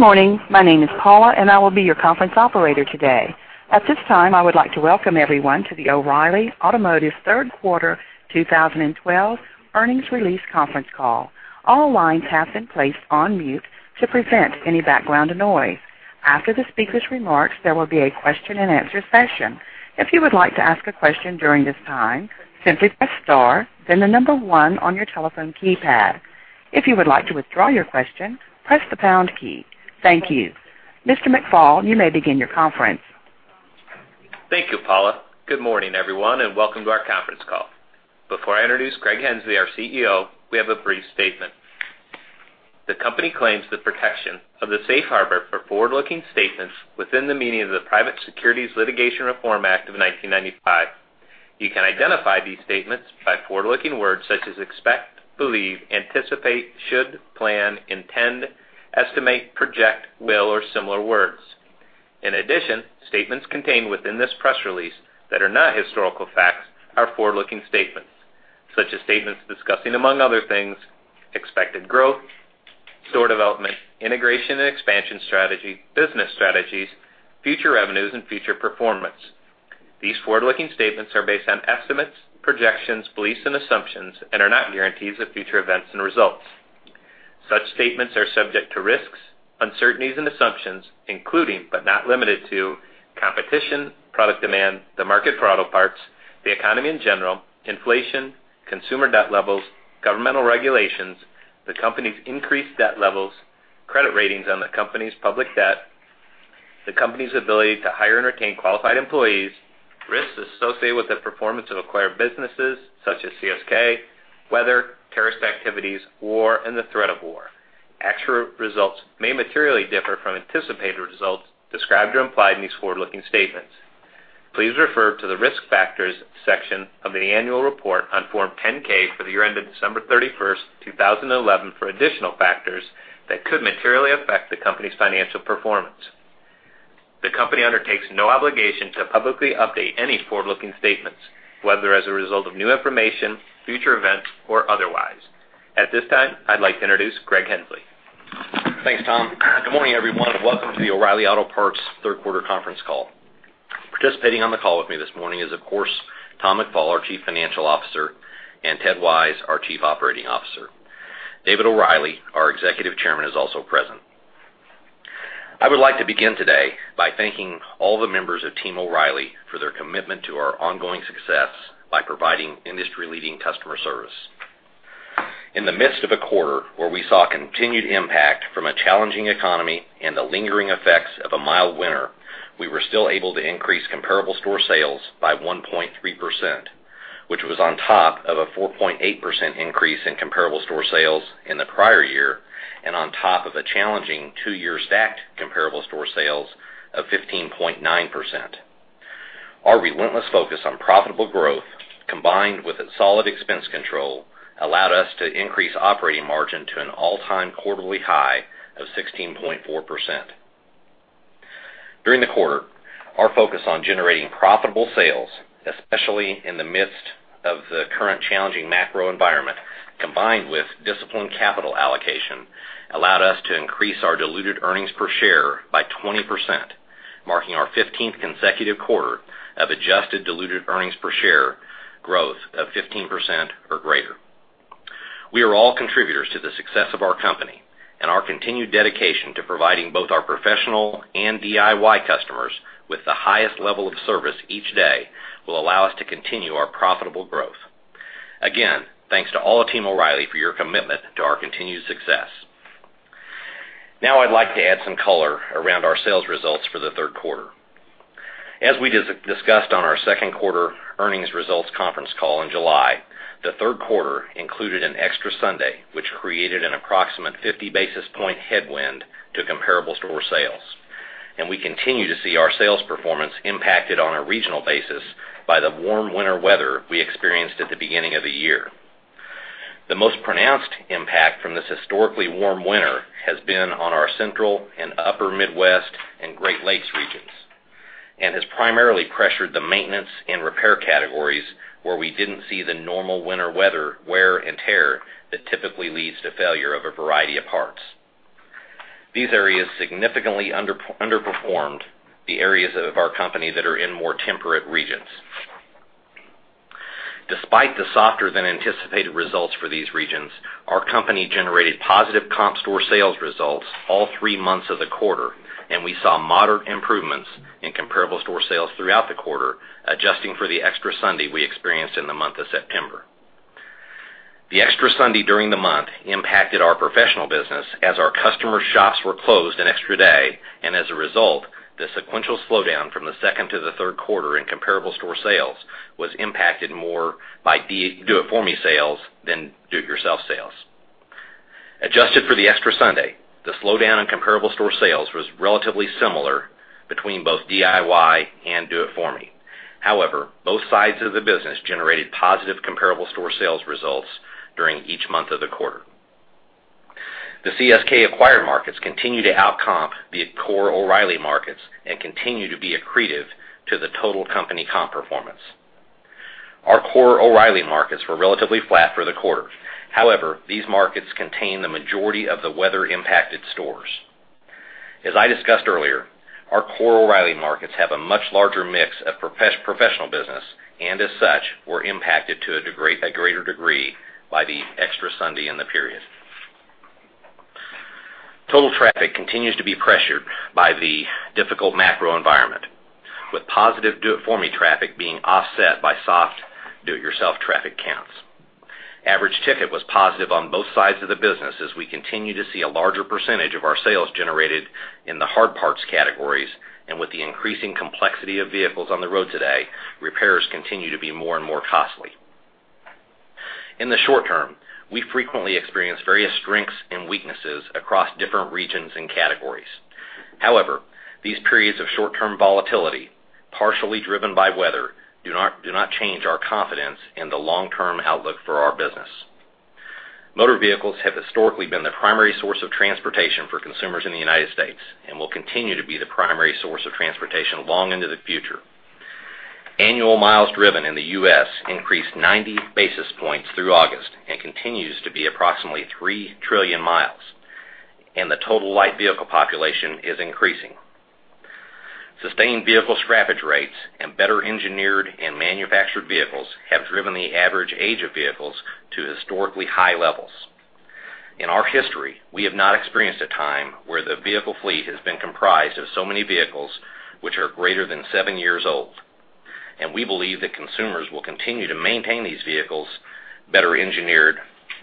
Good morning. My name is Paula, and I will be your conference operator today. At this time, I would like to welcome everyone to the O’Reilly Automotive third quarter 2012 earnings release conference call. All lines have been placed on mute to prevent any background noise. After the speaker's remarks, there will be a question-and-answer session. If you would like to ask a question during this time, simply press star then the number 1 on your telephone keypad. If you would like to withdraw your question, press the pound key. Thank you. Mr. McFall, you may begin your conference. Thank you, Paula. Good morning, everyone, and welcome to our conference call. Before I introduce Greg Henslee, our CEO, we have a brief statement. The company claims the protection of the safe harbor for forward-looking statements within the meaning of the Private Securities Litigation Reform Act of 1995. You can identify these statements by forward-looking words such as expect, believe, anticipate, should, plan, intend, estimate, project, will, or similar words. In addition, statements contained within this press release that are not historical facts are forward-looking statements, such as statements discussing, among other things, expected growth, store development, integration and expansion strategy, business strategies, future revenues, and future performance. These forward-looking statements are based on estimates, projections, beliefs, and assumptions and are not guarantees of future events and results. Such statements are subject to risks, uncertainties, and assumptions, including, but not limited to, competition, product demand, the market for auto parts, the economy in general, inflation, consumer debt levels, governmental regulations, the company's increased debt levels, credit ratings on the company's public debt, the company's ability to hire and retain qualified employees, risks associated with the performance of acquired businesses such as CSK, weather, terrorist activities, war, and the threat of war. Actual results may materially differ from anticipated results described or implied in these forward-looking statements. Please refer to the Risk Factors section of the annual report on Form 10-K for the year ended December 31st, 2011, for additional factors that could materially affect the company's financial performance. The company undertakes no obligation to publicly update any forward-looking statements, whether as a result of new information, future events, or otherwise. At this time, I'd like to introduce Greg Henslee. Thanks, Tom. Good morning, everyone, and welcome to the O’Reilly Auto Parts third quarter conference call. Participating on the call with me this morning is, of course, Tom McFall, our chief financial officer, and Ted Wise, our chief operating officer. David O’Reilly, our executive chairman, is also present. I would like to begin today by thanking all the members of Team O’Reilly for their commitment to our ongoing success by providing industry-leading customer service. In the midst of a quarter where we saw continued impact from a challenging economy and the lingering effects of a mild winter, we were still able to increase comparable store sales by 1.3%, which was on top of a 4.8% increase in comparable store sales in the prior year and on top of a challenging two-year stacked comparable store sales of 15.9%. Our relentless focus on profitable growth, combined with a solid expense control, allowed us to increase operating margin to an all-time quarterly high of 16.4%. During the quarter, our focus on generating profitable sales, especially in the midst of the current challenging macro environment, combined with disciplined capital allocation, allowed us to increase our diluted earnings per share by 20%, marking our 15th consecutive quarter of adjusted diluted earnings per share growth of 15% or greater. We are all contributors to the success of our company, and our continued dedication to providing both our professional and DIY customers with the highest level of service each day will allow us to continue our profitable growth. Again, thanks to all of Team O’Reilly for your commitment to our continued success. I'd like to add some color around our sales results for the third quarter. As we discussed on our second quarter earnings results conference call in July, the third quarter included an extra Sunday, which created an approximate 50-basis-point headwind to comparable store sales. We continue to see our sales performance impacted on a regional basis by the warm winter weather we experienced at the beginning of the year. The most pronounced impact from this historically warm winter has been on our Central and Upper Midwest and Great Lakes regions and has primarily pressured the maintenance and repair categories where we didn't see the normal winter weather wear and tear that typically leads to failure of a variety of parts. These areas significantly underperformed the areas of our company that are in more temperate regions. Despite the softer-than-anticipated results for these regions, our company generated positive comp store sales results all three months of the quarter. We saw moderate improvements in comparable store sales throughout the quarter, adjusting for the extra Sunday we experienced in the month of September. The extra Sunday during the month impacted our professional business as our customer shops were closed an extra day. As a result, the sequential slowdown from the second to the third quarter in comparable store sales was impacted more by do it for me sales than do it yourself sales. Adjusted for the extra Sunday, the slowdown in comparable store sales was relatively similar between both DIY and do it for me. However, both sides of the business generated positive comparable store sales results during each month of the quarter. The CSK-acquired markets continue to outcomp the core O'Reilly markets and continue to be accretive to the total company comp performance. Our core O'Reilly markets were relatively flat for the quarter. These markets contain the majority of the weather-impacted stores. As I discussed earlier, our core O'Reilly markets have a much larger mix of professional business and as such, were impacted to a greater degree by the extra Sunday in the period. Total traffic continues to be pressured by the difficult macro environment, with positive do-it-for-me traffic being offset by soft do-it-yourself traffic counts. Average ticket was positive on both sides of the business as we continue to see a larger percentage of our sales generated in the hard parts categories, and with the increasing complexity of vehicles on the road today, repairs continue to be more and more costly. In the short term, we frequently experience various strengths and weaknesses across different regions and categories. These periods of short-term volatility, partially driven by weather, do not change our confidence in the long-term outlook for our business. Motor vehicles have historically been the primary source of transportation for consumers in the U.S. and will continue to be the primary source of transportation long into the future. Annual miles driven in the U.S. increased 90 basis points through August and continues to be approximately 3 trillion miles, and the total light vehicle population is increasing. Sustained vehicle scrappage rates and better engineered and manufactured vehicles have driven the average age of vehicles to historically high levels. In our history, we have not experienced a time where the vehicle fleet has been comprised of so many vehicles which are greater than seven years old. We believe that consumers will continue to maintain these better engineered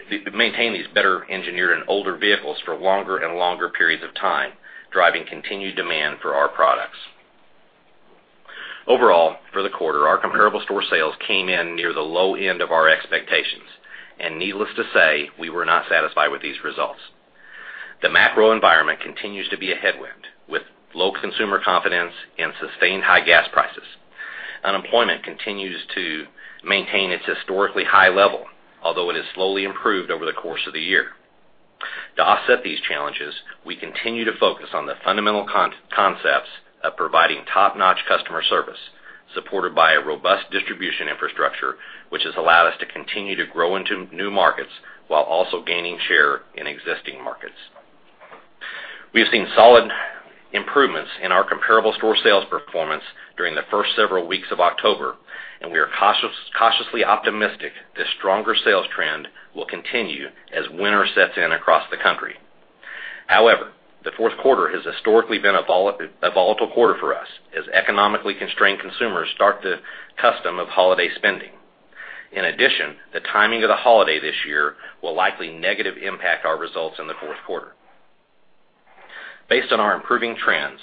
and older vehicles for longer and longer periods of time, driving continued demand for our products. Overall, for the quarter, our comparable store sales came in near the low end of our expectations, and needless to say, we were not satisfied with these results. The macro environment continues to be a headwind, with low consumer confidence and sustained high gas prices. Unemployment continues to maintain its historically high level, although it has slowly improved over the course of the year. To offset these challenges, we continue to focus on the fundamental concepts of providing top-notch customer service, supported by a robust distribution infrastructure, which has allowed us to continue to grow into new markets while also gaining share in existing markets. We've seen solid improvements in our comparable store sales performance during the first several weeks of October, and we are cautiously optimistic this stronger sales trend will continue as winter sets in across the country. The fourth quarter has historically been a volatile quarter for us, as economically constrained consumers start the custom of holiday spending. The timing of the holiday this year will likely negatively impact our results in the fourth quarter. Based on our improving trends,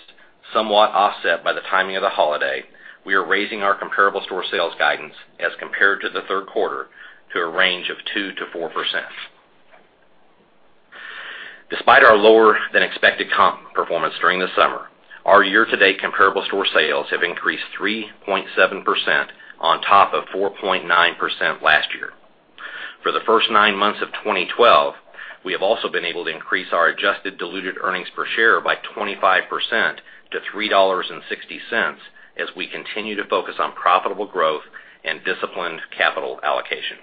somewhat offset by the timing of the holiday, we are raising our comparable store sales guidance as compared to the third quarter to a range of 2%-4%. Despite our lower-than-expected comp performance during the summer, our year-to-date comparable store sales have increased 3.7% on top of 4.9% last year. For the first nine months of 2012, we have also been able to increase our adjusted diluted earnings per share by 25% to $3.60 as we continue to focus on profitable growth and disciplined capital allocation.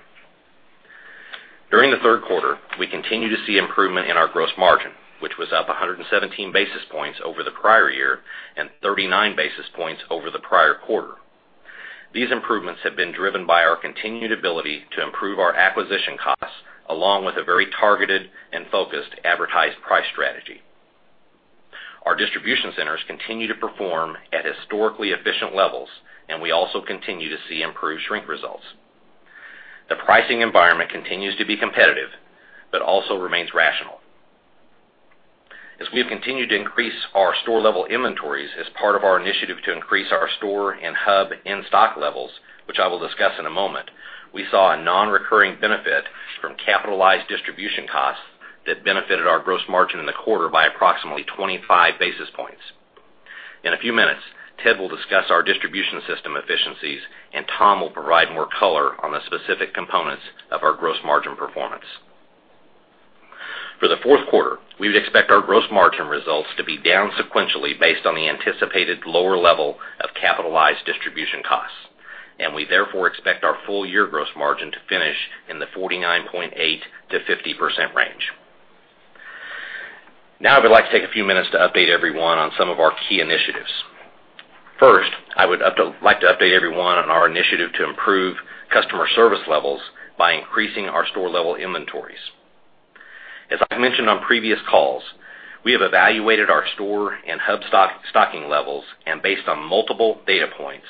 During the third quarter, we continued to see improvement in our gross margin, which was up 117 basis points over the prior year and 39 basis points over the prior quarter. These improvements have been driven by our continued ability to improve our acquisition costs, along with a very targeted and focused advertised price strategy. Our distribution centers continue to perform at historically efficient levels, and we also continue to see improved shrink results. The pricing environment continues to be competitive but also remains rational. As we have continued to increase our store-level inventories as part of our initiative to increase our store and hub in-stock levels, which I will discuss in a moment, we saw a non-recurring benefit from capitalized distribution costs that benefited our gross margin in the quarter by approximately 25 basis points. In a few minutes, Ted will discuss our distribution system efficiencies, and Tom will provide more color on the specific components of our gross margin performance. For the fourth quarter, we would expect our gross margin results to be down sequentially based on the anticipated lower level of capitalized distribution costs. We therefore expect our full-year gross margin to finish in the 49.8%-50% range. Now, I would like to take a few minutes to update everyone on some of our key initiatives. First, I would like to update everyone on our initiative to improve customer service levels by increasing our store-level inventories. As I mentioned on previous calls, we have evaluated our store and hub stocking levels and based on multiple data points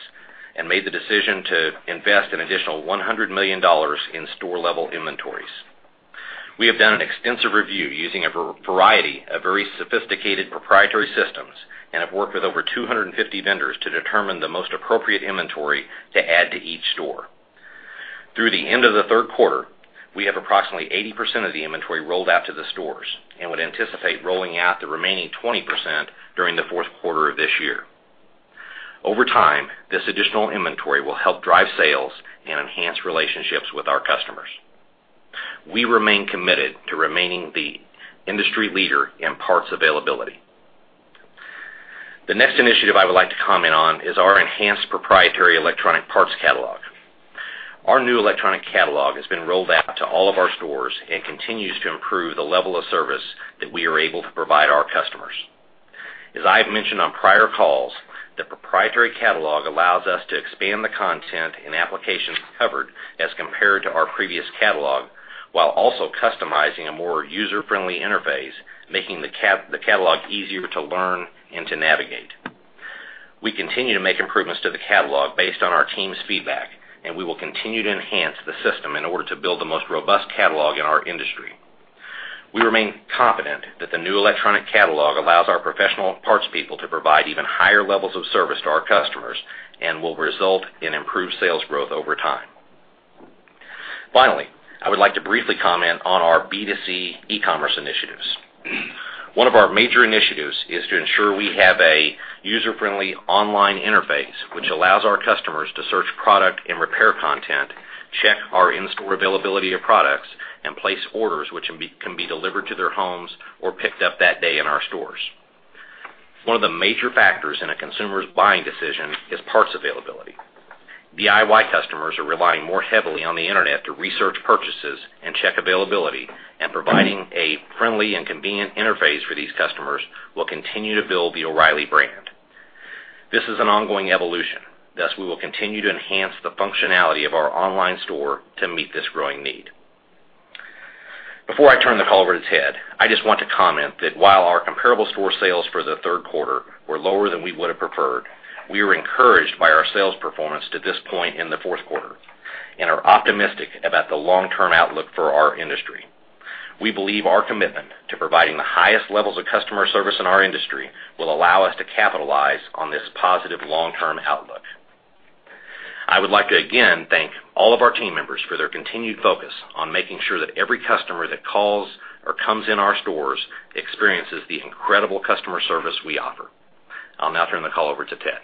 and made the decision to invest an additional $100 million in store-level inventories. We have done an extensive review using a variety of very sophisticated proprietary systems and have worked with over 250 vendors to determine the most appropriate inventory to add to each store. Through the end of the third quarter, we have approximately 80% of the inventory rolled out to the stores and would anticipate rolling out the remaining 20% during the fourth quarter of this year. Over time, this additional inventory will help drive sales and enhance relationships with our customers. We remain committed to remaining the industry leader in parts availability. The next initiative I would like to comment on is our enhanced proprietary electronic parts catalog. Our new electronic catalog has been rolled out to all of our stores and continues to improve the level of service that we are able to provide our customers. As I have mentioned on prior calls, the proprietary catalog allows us to expand the content and applications covered as compared to our previous catalog, while also customizing a more user-friendly interface, making the catalog easier to learn and to navigate. We continue to make improvements to the catalog based on our team's feedback, and we will continue to enhance the system in order to build the most robust catalog in our industry. We remain confident that the new electronic catalog allows our professional parts people to provide even higher levels of service to our customers and will result in improved sales growth over time. Finally, I would like to briefly comment on our B2C e-commerce initiatives. One of our major initiatives is to ensure we have a user-friendly online interface which allows our customers to search product and repair content, check our in-store availability of products, and place orders which can be delivered to their homes or picked up that day in our stores. One of the major factors in a consumer's buying decision is parts availability. DIY customers are relying more heavily on the internet to research purchases and check availability, and providing a friendly and convenient interface for these customers will continue to build the O’Reilly brand. This is an ongoing evolution. Thus, we will continue to enhance the functionality of our online store to meet this growing need. Before I turn the call over to Ted, I just want to comment that while our comparable store sales for the third quarter were lower than we would have preferred, we are encouraged by our sales performance to this point in the fourth quarter and are optimistic about the long-term outlook for our industry. We believe our commitment to providing the highest levels of customer service in our industry will allow us to capitalize on this positive long-term outlook. I would like to again thank all of our team members for their continued focus on making sure that every customer that calls or comes in our stores experiences the incredible customer service we offer. I'll now turn the call over to Ted.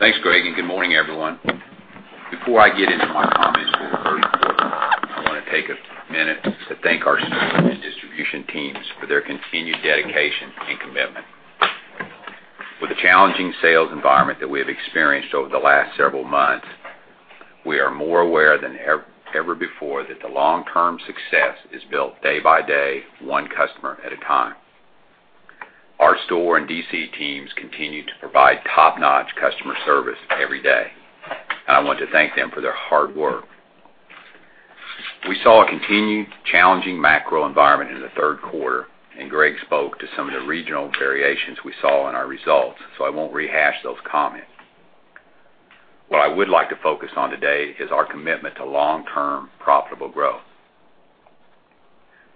Thanks, Greg. Good morning, everyone. Before I get into my comments for the third quarter, I want to take a minute to thank our store and distribution teams for their continued dedication and commitment. With the challenging sales environment that we have experienced over the last several months, we are more aware than ever before that the long-term success is built day by day, one customer at a time. Our store and DC teams continue to provide top-notch customer service every day, and I want to thank them for their hard work. We saw a continued challenging macro environment in the third quarter. Greg spoke to some of the regional variations we saw in our results, I won't rehash those comments. What I would like to focus on today is our commitment to long-term profitable growth.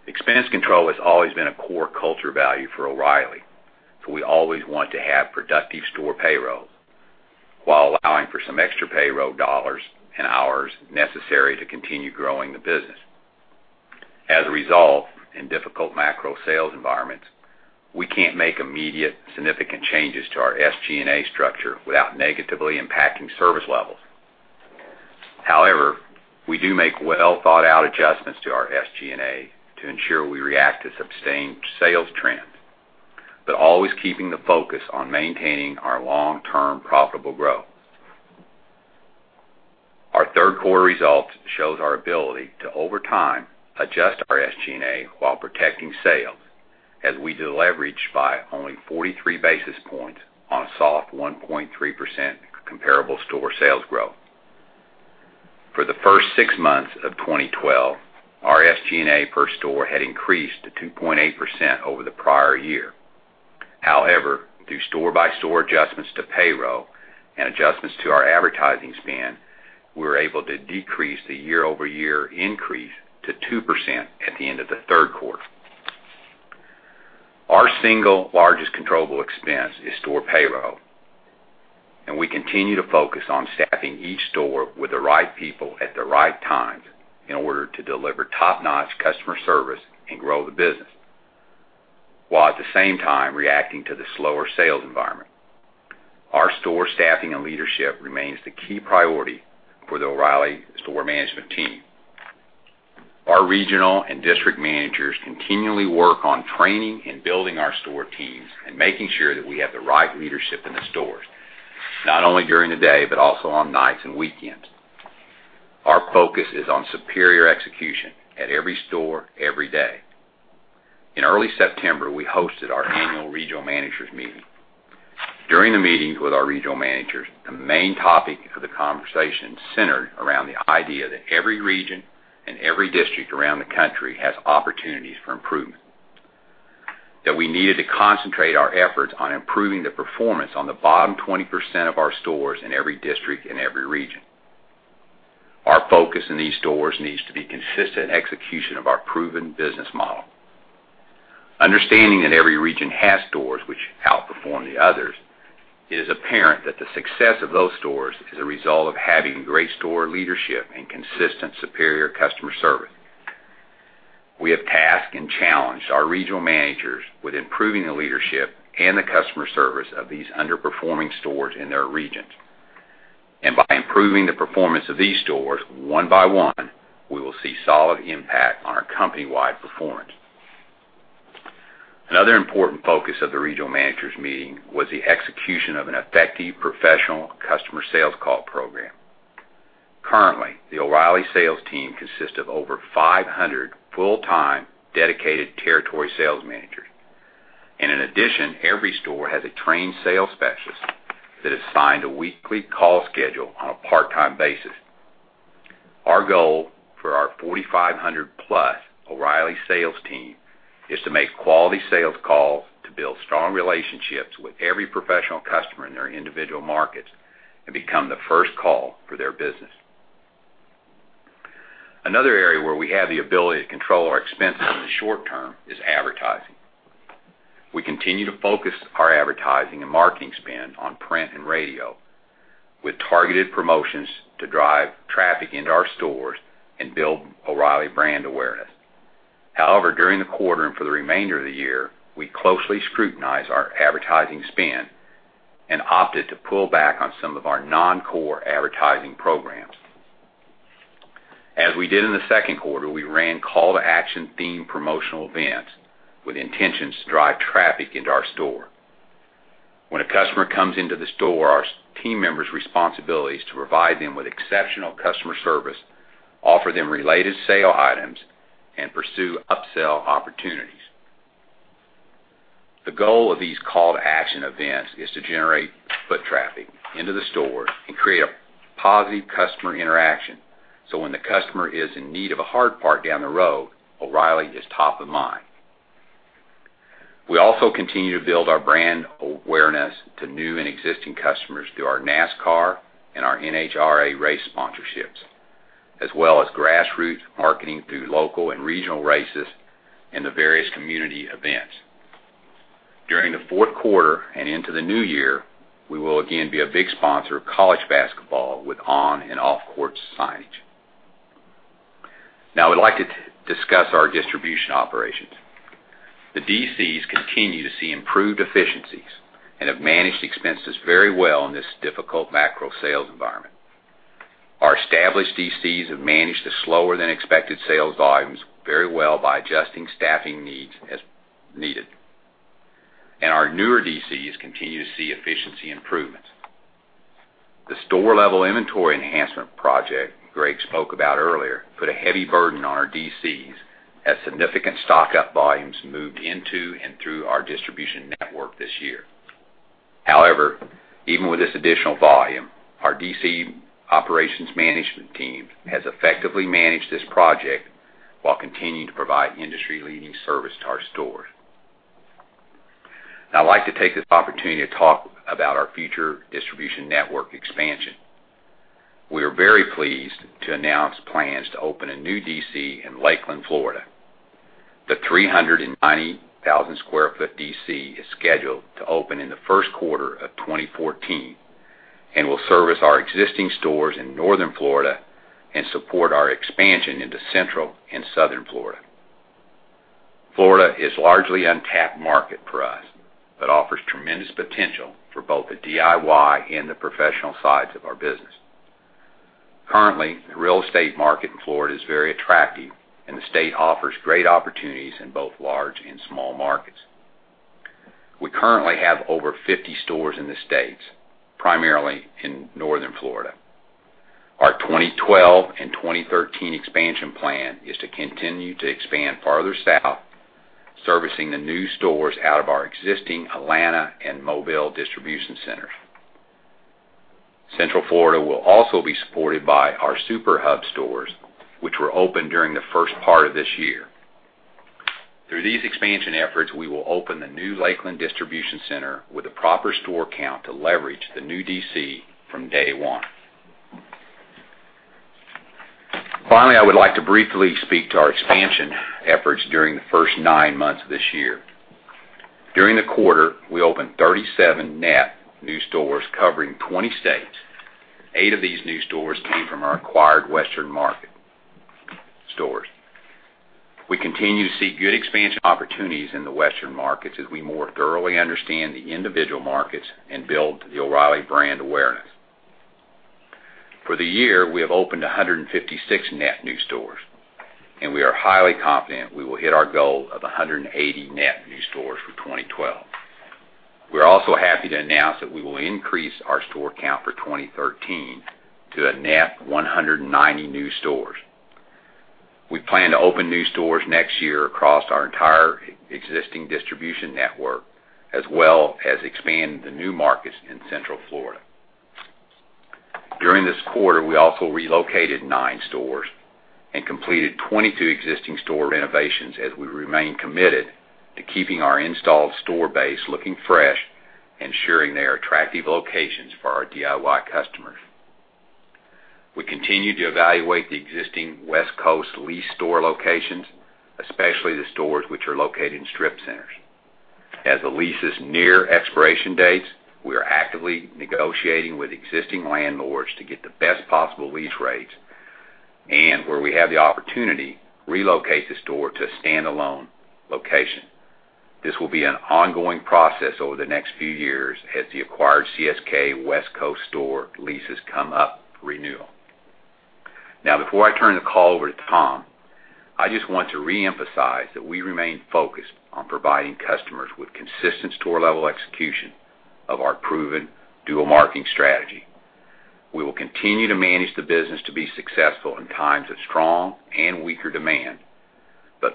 Expense control has always been a core culture value for O’Reilly. We always want to have productive store payroll while allowing for some extra payroll dollars and hours necessary to continue growing the business. As a result, in difficult macro sales environments, we can't make immediate significant changes to our SG&A structure without negatively impacting service levels. However, we do make well-thought-out adjustments to our SG&A to ensure we react to sustained sales trends, always keeping the focus on maintaining our long-term profitable growth. Our third quarter results shows our ability to over time adjust our SG&A while protecting sales as we deleveraged by only 43 basis points on a soft 1.3% comparable store sales growth. For the first six months of 2012, our SG&A per store had increased to 2.8% over the prior year. Through store-by-store adjustments to payroll and adjustments to our advertising spend, we were able to decrease the year-over-year increase to 2% at the end of the third quarter. Our single largest controllable expense is store payroll, and we continue to focus on staffing each store with the right people at the right times in order to deliver top-notch customer service and grow the business, while at the same time reacting to the slower sales environment. Our store staffing and leadership remains the key priority for the O’Reilly store management team. Our regional and district managers continually work on training and building our store teams and making sure that we have the right leadership in the stores, not only during the day, but also on nights and weekends. Our focus is on superior execution at every store, every day. In early September, we hosted our annual regional managers meeting. During the meetings with our regional managers, the main topic of the conversation centered around the idea that every region and every district around the country has opportunities for improvement, that we needed to concentrate our efforts on improving the performance on the bottom 20% of our stores in every district and every region. Our focus in these stores needs to be consistent execution of our proven business model. Understanding that every region has stores which outperform the others, it is apparent that the success of those stores is a result of having great store leadership and consistent superior customer service. We have tasked and challenged our regional managers with improving the leadership and the customer service of these underperforming stores in their regions. By improving the performance of these stores one by one, we will see solid impact on our company-wide performance. Another important focus of the regional managers meeting was the execution of an effective professional customer sales call program. Currently, the O’Reilly sales team consists of over 500 full-time dedicated territory sales managers. In addition, every store has a trained sales specialist that is assigned a weekly call schedule on a part-time basis. Our goal for our 4,500-plus O’Reilly sales team is to make quality sales calls to build strong relationships with every professional customer in their individual markets and become the first call for their business. Another area where we have the ability to control our expenses in the short term is advertising. We continue to focus our advertising and marketing spend on print and radio with targeted promotions to drive traffic into our stores and build O’Reilly brand awareness. During the quarter and for the remainder of the year, we closely scrutinized our advertising spend and opted to pull back on some of our non-core advertising programs. As we did in the second quarter, we ran call to action themed promotional events with intentions to drive traffic into our store. When a customer comes into the store, our team members' responsibility is to provide them with exceptional customer service, offer them related sale items, and pursue upsell opportunities. The goal of these call to action events is to generate foot traffic into the store and create a positive customer interaction, so when the customer is in need of a hard part down the road, O’Reilly is top of mind. We also continue to build our brand awareness to new and existing customers through our NASCAR and our NHRA race sponsorships, as well as grassroots marketing through local and regional races and the various community events. During the fourth quarter and into the new year, we will again be a big sponsor of college basketball with on and off-court signage. Now I’d like to discuss our distribution operations. The DCs continue to see improved efficiencies and have managed expenses very well in this difficult macro sales environment. Our established DCs have managed the slower than expected sales volumes very well by adjusting staffing needs as needed. Our newer DCs continue to see efficiency improvements. The store-level inventory enhancement project Greg spoke about earlier put a heavy burden on our DCs as significant stock-up volumes moved into and through our distribution network this year. However, even with this additional volume, our DC operations management team has effectively managed this project while continuing to provide industry-leading service to our stores. Now I’d like to take this opportunity to talk about our future distribution network expansion. We are very pleased to announce plans to open a new DC in Lakeland, Florida. The 390,000 sq ft DC is scheduled to open in the first quarter of 2014 and will service our existing stores in northern Florida and support our expansion into central and southern Florida. Florida is a largely untapped market for us but offers tremendous potential for both the DIY and the professional sides of our business. Currently, the real estate market in Florida is very attractive, and the state offers great opportunities in both large and small markets. We currently have over 50 stores in the state, primarily in northern Florida. Our 2012 and 2013 expansion plan is to continue to expand farther south, servicing the new stores out of our existing Atlanta and Mobile distribution centers. Central Florida will also be supported by our super hub stores, which were opened during the first part of this year. Through these expansion efforts, we will open the new Lakeland distribution center with the proper store count to leverage the new DC from day one. Finally, I would like to briefly speak to our expansion efforts during the first nine months of this year. During the quarter, we opened 37 net new stores covering 20 states. Eight of these new stores came from our acquired Western market stores. We continue to see good expansion opportunities in the Western markets as we more thoroughly understand the individual markets and build the O'Reilly brand awareness. For the year, we have opened 156 net new stores, and we are highly confident we will hit our goal of 180 net new stores for 2012. We are also happy to announce that we will increase our store count for 2013 to a net 190 new stores. We plan to open new stores next year across our entire existing distribution network, as well as expand the new markets in central Florida. During this quarter, we also relocated nine stores and completed 22 existing store renovations as we remain committed to keeping our installed store base looking fresh, ensuring they are attractive locations for our DIY customers. We continue to evaluate the existing West Coast lease store locations, especially the stores which are located in strip centers. As the leases near expiration dates, we are actively negotiating with existing landlords to get the best possible lease rates where we have the opportunity, relocate the store to a standalone location. This will be an ongoing process over the next few years as the acquired CSK West Coast store leases come up for renewal. Before I turn the call over to Tom, I just want to reemphasize that we remain focused on providing customers with consistent store-level execution of our proven dual-marketing strategy. We will continue to manage the business to be successful in times of strong and weaker demand,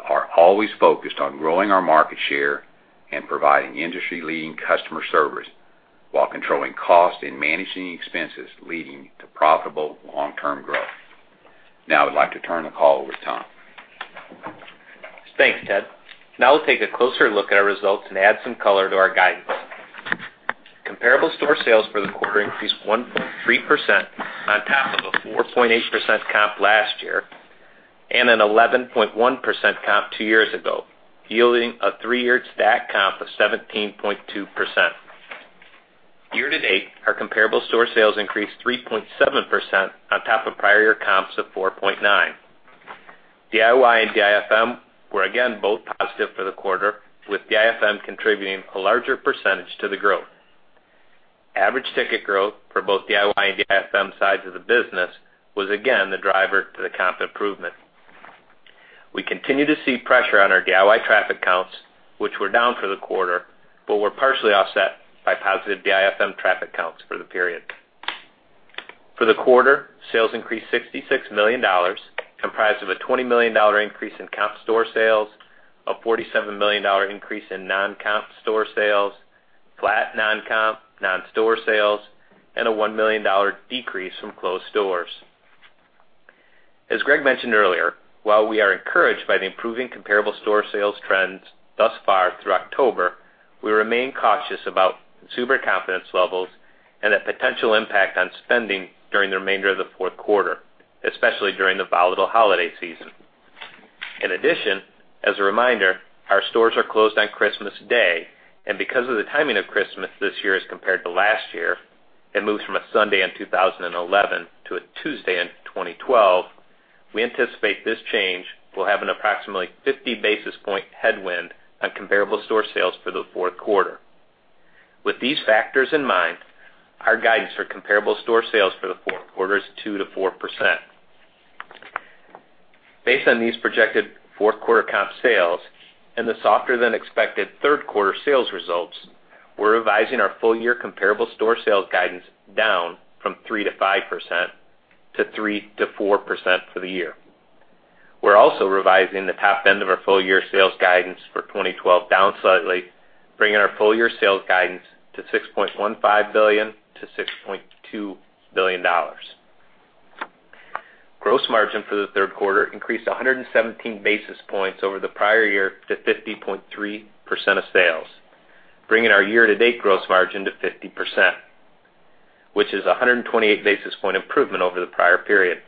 are always focused on growing our market share and providing industry-leading customer service while controlling cost and managing expenses, leading to profitable long-term growth. I'd like to turn the call over to Tom. Thanks, Ted. We'll take a closer look at our results and add some color to our guidance. Comparable store sales for the quarter increased 1.3% on top of a 4.8% comp last year and an 11.1% comp two years ago, yielding a three-year stacked comp of 17.2%. Year-to-date, our comparable store sales increased 3.7% on top of prior year comps of 4.9%. DIY and DIFM were again both positive for the quarter, with DIFM contributing a larger percentage to the growth. Average ticket growth for both DIY and DIFM sides of the business was again the driver to the comp improvement. We continue to see pressure on our DIY traffic counts, which were down for the quarter, were partially offset by positive DIFM traffic counts for the period. For the quarter, sales increased $66 million, comprised of a $20 million increase in comp store sales, a $47 million increase in non-comp store sales, flat non-comp non-store sales, and a $1 million decrease from closed stores. As Greg mentioned earlier, while we are encouraged by the improving comparable store sales trends thus far through October, we remain cautious about consumer confidence levels and the potential impact on spending during the remainder of the fourth quarter, especially during the volatile holiday season. In addition, as a reminder, our stores are closed on Christmas Day, because of the timing of Christmas this year as compared to last year, it moves from a Sunday in 2011 to a Tuesday in 2012. We anticipate this change will have an approximately 50 basis point headwind on comparable store sales for the fourth quarter. With these factors in mind, our guidance for comparable store sales for the fourth quarter is 2%-4%. Based on these projected fourth quarter comp sales and the softer-than-expected third quarter sales results, we're revising our full-year comparable store sales guidance down from 3%-5% to 3%-4% for the year. We're also revising the top end of our full-year sales guidance for 2012 down slightly, bringing our full-year sales guidance to $6.15 billion-$6.2 billion. Gross margin for the third quarter increased 117 basis points over the prior year to 50.3% of sales, bringing our year-to-date gross margin to 50%, which is a 128 basis point improvement over the prior period.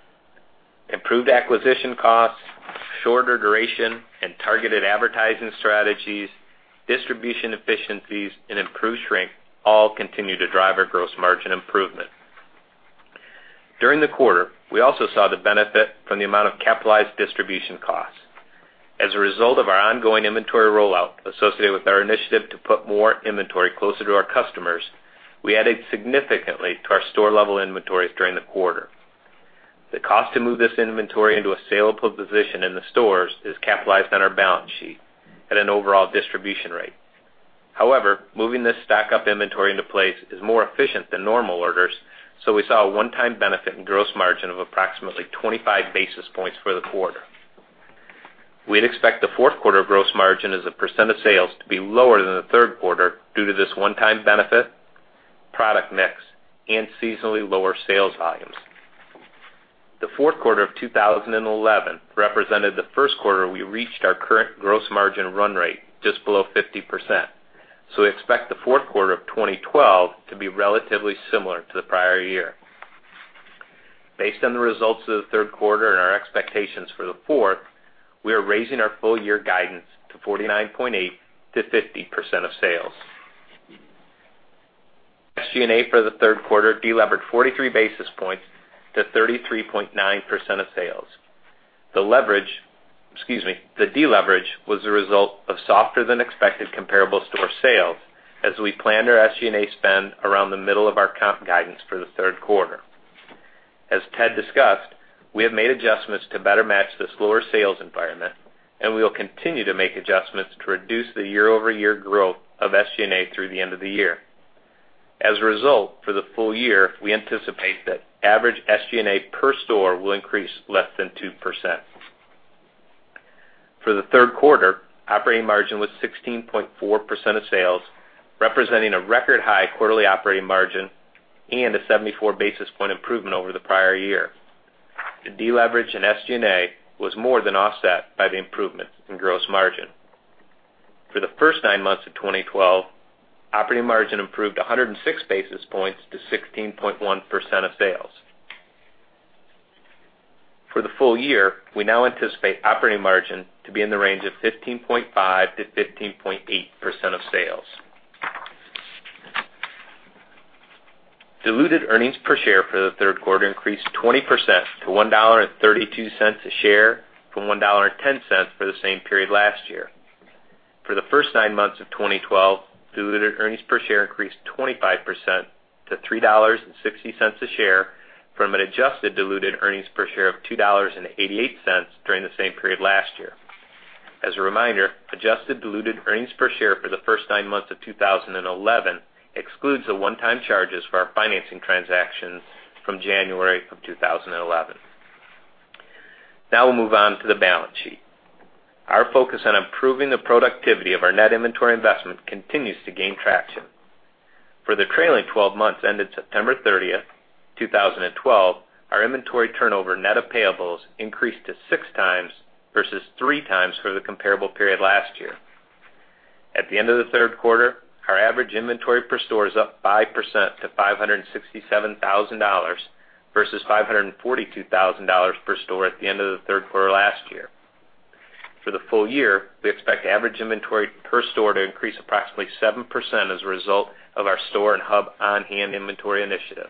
Improved acquisition costs, shorter duration and targeted advertising strategies, distribution efficiencies, and improved shrink all continue to drive our gross margin improvement. During the quarter, we also saw the benefit from the amount of capitalized distribution costs. As a result of our ongoing inventory rollout associated with our initiative to put more inventory closer to our customers, we added significantly to our store-level inventories during the quarter. The cost to move this inventory into a saleable position in the stores is capitalized on our balance sheet at an overall distribution rate. However, moving this stock up inventory into place is more efficient than normal orders. We saw a one-time benefit in gross margin of approximately 25 basis points for the quarter. We'd expect the fourth quarter gross margin as a % of sales to be lower than the third quarter due to this one-time benefit, product mix, and seasonally lower sales volumes. The fourth quarter of 2011 represented the first quarter we reached our current gross margin run rate just below 50%. We expect the fourth quarter of 2012 to be relatively similar to the prior year. Based on the results of the third quarter and our expectations for the fourth, we are raising our full-year guidance to 49.8%-50% of sales. SG&A for the third quarter delevered 43 basis points to 33.9% of sales. The deleverage was a result of softer-than-expected comparable store sales as we planned our SG&A spend around the middle of our comp guidance for the third quarter. As Ted discussed, we have made adjustments to better match the slower sales environment. We will continue to make adjustments to reduce the year-over-year growth of SG&A through the end of the year. As a result, for the full year, we anticipate that average SG&A per store will increase less than 2%. For the third quarter, operating margin was 16.4% of sales, representing a record-high quarterly operating margin and a 74 basis point improvement over the prior year. The deleverage in SG&A was more than offset by the improvement in gross margin. For the first nine months of 2012, operating margin improved 106 basis points to 16.1% of sales. For the full year, we now anticipate operating margin to be in the range of 15.5%-15.8% of sales. Diluted earnings per share for the third quarter increased 20% to $1.32 a share from $1.10 for the same period last year. For the first nine months of 2012, diluted earnings per share increased 25% to $3.60 a share from an adjusted diluted earnings per share of $2.88 during the same period last year. As a reminder, adjusted diluted earnings per share for the first nine months of 2011 excludes the one-time charges for our financing transactions from January of 2011. Now we'll move on to the balance sheet. Our focus on improving the productivity of our net inventory investment continues to gain traction. For the trailing 12 months ended September 30th, 2012, our inventory turnover net of payables increased to six times versus three times for the comparable period last year. At the end of the third quarter, our average inventory per store is up 5% to $567,000 versus $542,000 per store at the end of the third quarter last year. For the full year, we expect average inventory per store to increase approximately 7% as a result of our store and hub on-hand inventory initiative.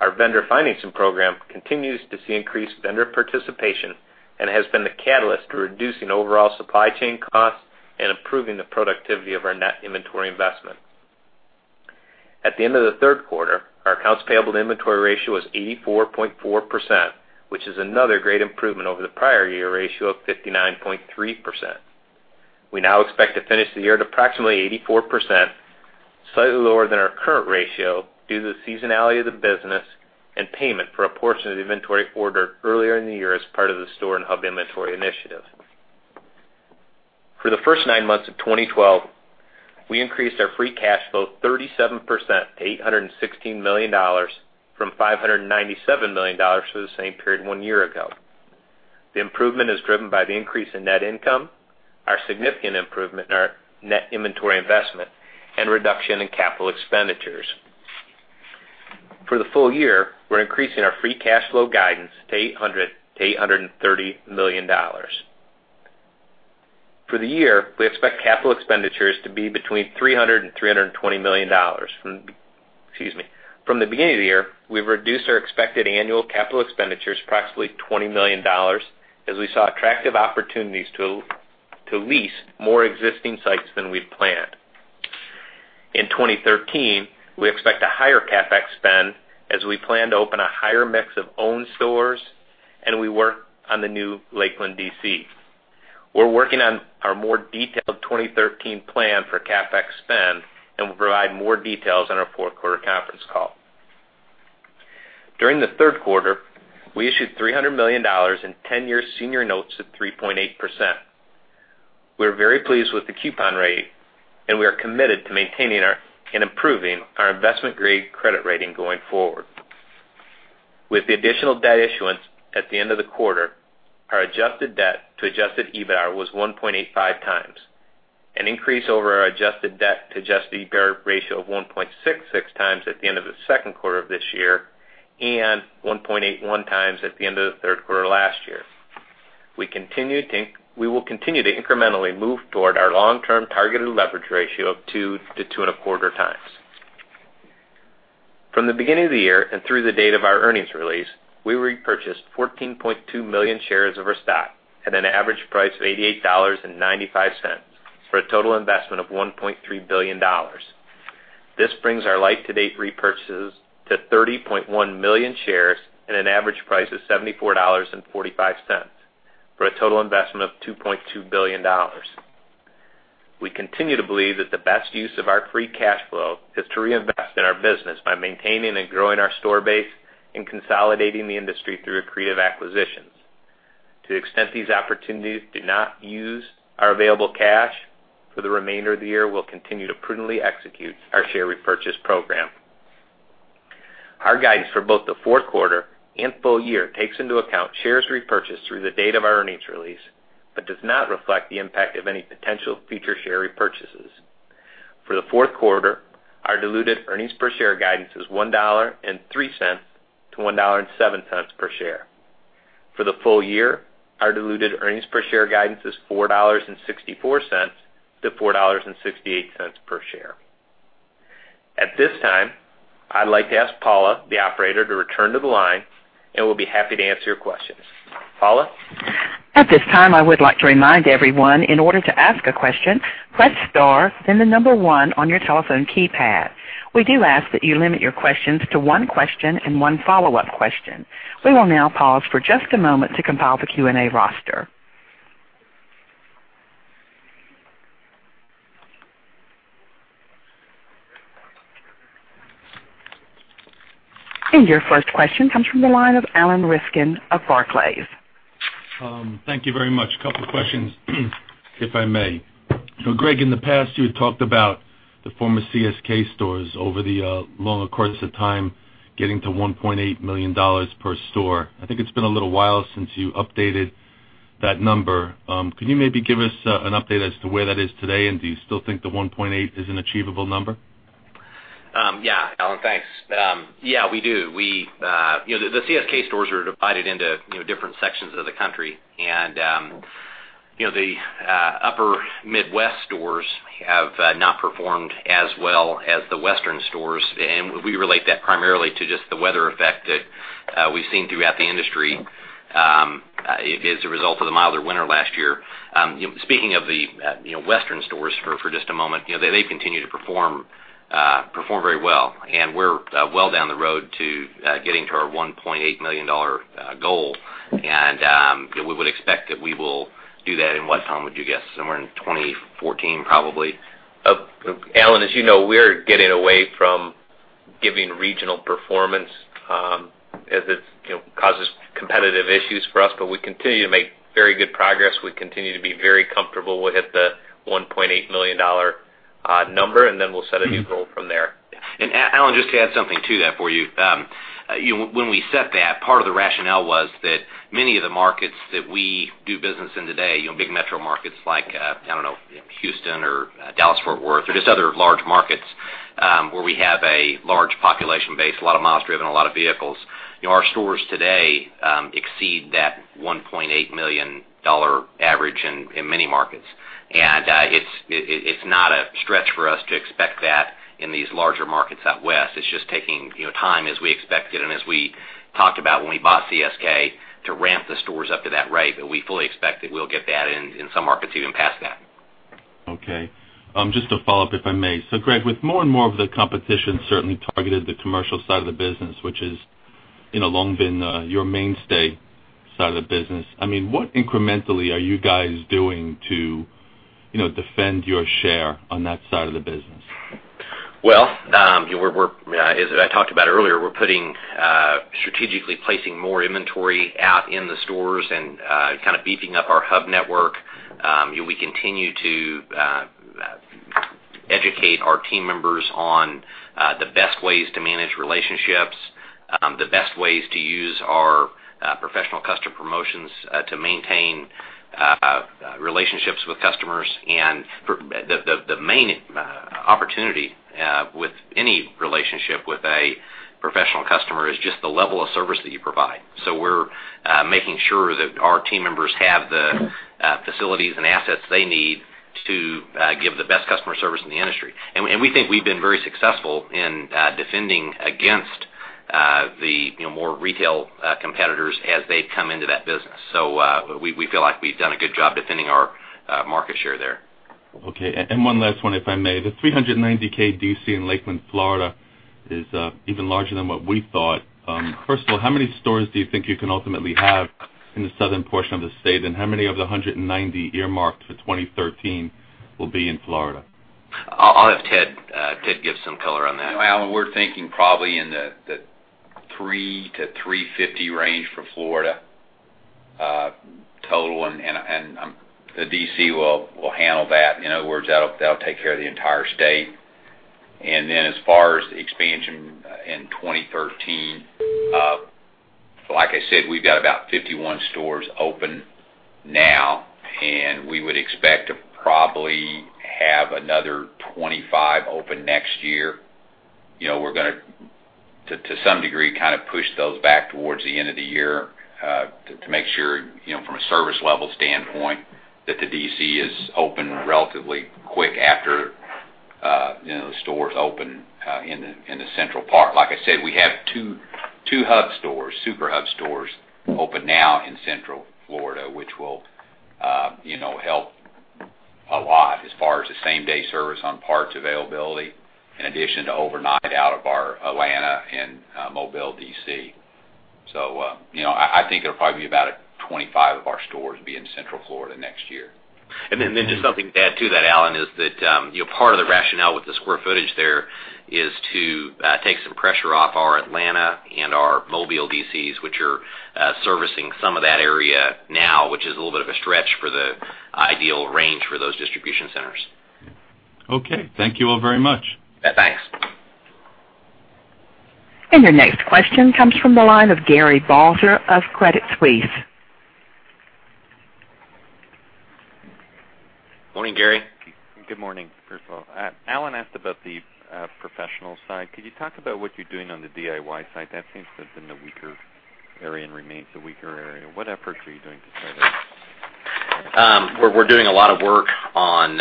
Our vendor financing program continues to see increased vendor participation and has been the catalyst to reducing overall supply chain costs and improving the productivity of our net inventory investment. At the end of the third quarter, our accounts payable to inventory ratio was 84.4%, which is another great improvement over the prior year ratio of 59.3%. We now expect to finish the year at approximately 84%, slightly lower than our current ratio due to the seasonality of the business and payment for a portion of the inventory ordered earlier in the year as part of the store and hub inventory initiative. For the first nine months of 2012, we increased our free cash flow 37% to $816 million from $597 million for the same period one year ago. The improvement is driven by the increase in net income, our significant improvement in our net inventory investment, and reduction in capital expenditures. For the full year, we're increasing our free cash flow guidance to $800 million to $830 million. For the year, we expect capital expenditures to be between $300 million and $320 million. From the beginning of the year, we've reduced our expected annual capital expenditures approximately $20 million as we saw attractive opportunities to lease more existing sites than we'd planned. In 2013, we expect a higher CapEx spend as we plan to open a higher mix of owned stores and we work on the new Lakeland DC. We're working on our more detailed 2013 plan for CapEx spend and will provide more details on our fourth quarter conference call. During the third quarter, we issued $300 million in 10-year senior notes at 3.8%. We are very pleased with the coupon rate, and we are committed to maintaining and improving our investment-grade credit rating going forward. With the additional debt issuance at the end of the quarter, our adjusted debt to adjusted EBITDAR was 1.85 times, an increase over our adjusted debt to adjusted EBITDAR ratio of 1.66 times at the end of the second quarter of this year and 1.81 times at the end of the third quarter last year. We will continue to incrementally move toward our long-term targeted leverage ratio of two to two and a quarter times. From the beginning of the year and through the date of our earnings release, we repurchased 14.2 million shares of our stock at an average price of $88.95 for a total investment of $1.3 billion. This brings our life-to-date repurchases to 30.1 million shares at an average price of $74.45, for a total investment of $2.2 billion. We continue to believe that the best use of our free cash flow is to reinvest in our business by maintaining and growing our store base and consolidating the industry through accretive acquisitions. To the extent these opportunities do not use our available cash for the remainder of the year, we'll continue to prudently execute our share repurchase program. Our guidance for both the fourth quarter and full year takes into account shares repurchased through the date of our earnings release but does not reflect the impact of any potential future share repurchases. For the fourth quarter, our diluted earnings per share guidance is $1.03 to $1.07 per share. For the full year, our diluted earnings per share guidance is $4.64 to $4.68 per share. At this time, I'd like to ask Paula, the operator, to return to the line, and we'll be happy to answer your questions. Paula? At this time, I would like to remind everyone, in order to ask a question, press star, then the number one on your telephone keypad. We do ask that you limit your questions to one question and one follow-up question. We will now pause for just a moment to compile the Q&A roster. Your first question comes from the line of Alan Rifkin of Barclays. Thank you very much. A couple questions, if I may. Greg, in the past, you had talked about the former CSK stores over the longer course of time getting to $1.8 million per store. I think it's been a little while since you updated that number. Could you maybe give us an update as to where that is today, and do you still think the 1.8 is an achievable number? Yeah, Alan, thanks. Yeah, we do. The CSK stores are divided into different sections of the country, and The upper Midwest stores have not performed as well as the Western stores, and we relate that primarily to just the weather effect that we've seen throughout the industry as a result of the milder winter last year. Speaking of the Western stores for just a moment, they continue to perform very well, and we're well down the road to getting to our $1.8 million goal. We would expect that we will do that, in what time would you guess? Somewhere in 2014, probably. Alan, as you know, we're getting away from giving regional performance as it causes competitive issues for us. We continue to make very good progress. We continue to be very comfortable we'll hit the $1.8 million number. Then we'll set a new goal from there. Alan, just to add something to that for you. When we set that, part of the rationale was that many of the markets that we do business in today, big metro markets like, I don't know, Houston or Dallas-Fort Worth or just other large markets where we have a large population base, a lot of miles driven, a lot of vehicles, our stores today exceed that $1.8 million average in many markets. It's not a stretch for us to expect that in these larger markets out West. It's just taking time as we expected and as we talked about when we bought CSK to ramp the stores up to that rate. We fully expect that we'll get that, and in some markets even past that. Okay. Just to follow up, if I may. Greg, with more and more of the competition certainly targeted the commercial side of the business, which has long been your mainstay side of the business. What incrementally are you guys doing to defend your share on that side of the business? As I talked about earlier, we're strategically placing more inventory out in the stores and kind of beefing up our hub network. We continue to educate our team members on the best ways to manage relationships, the best ways to use our professional customer promotions to maintain relationships with customers. The main opportunity with any relationship with a professional customer is just the level of service that you provide. We're making sure that our team members have the facilities and assets they need to give the best customer service in the industry. We think we've been very successful in defending against the more retail competitors as they've come into that business. We feel like we've done a good job defending our market share there. Okay, one last one, if I may. The 390,000 DC in Lakeland, Florida is even larger than what we thought. First of all, how many stores do you think you can ultimately have in the southern portion of the state? How many of the 190 earmarked for 2013 will be in Florida? I'll have Ted give some color on that. Alan, we're thinking probably in the 300-350 range for Florida total. The DC will handle that. In other words, that'll take care of the entire state. As far as expansion in 2013, like I said, we've got about 51 stores open now. We would expect to probably have another 25 open next year. We're going to some degree, kind of push those back towards the end of the year to make sure from a service level standpoint, that the DC is open relatively quick after the stores open in the central part. Like I said, we have two hub stores, super hub stores open now in Central Florida, which will help a lot as far as the same-day service on parts availability, in addition to overnight out of our Atlanta and Mobile DC. I think there'll probably be about 25 of our stores be in Central Florida next year. Just something to add to that, Alan, is that part of the rationale with the square footage there is to take some pressure off our Atlanta and our Mobile DCs, which are servicing some of that area now, which is a little bit of a stretch for the ideal range for those distribution centers. Okay. Thank you all very much. Thanks. Your next question comes from the line of Gary Balter of Credit Suisse. Morning, Gary. Good morning. First of all, Alan asked about the professional side. Could you talk about what you're doing on the DIY side? That seems to have been the weaker area and remains the weaker area. What efforts are you doing to try that? We're doing a lot of work on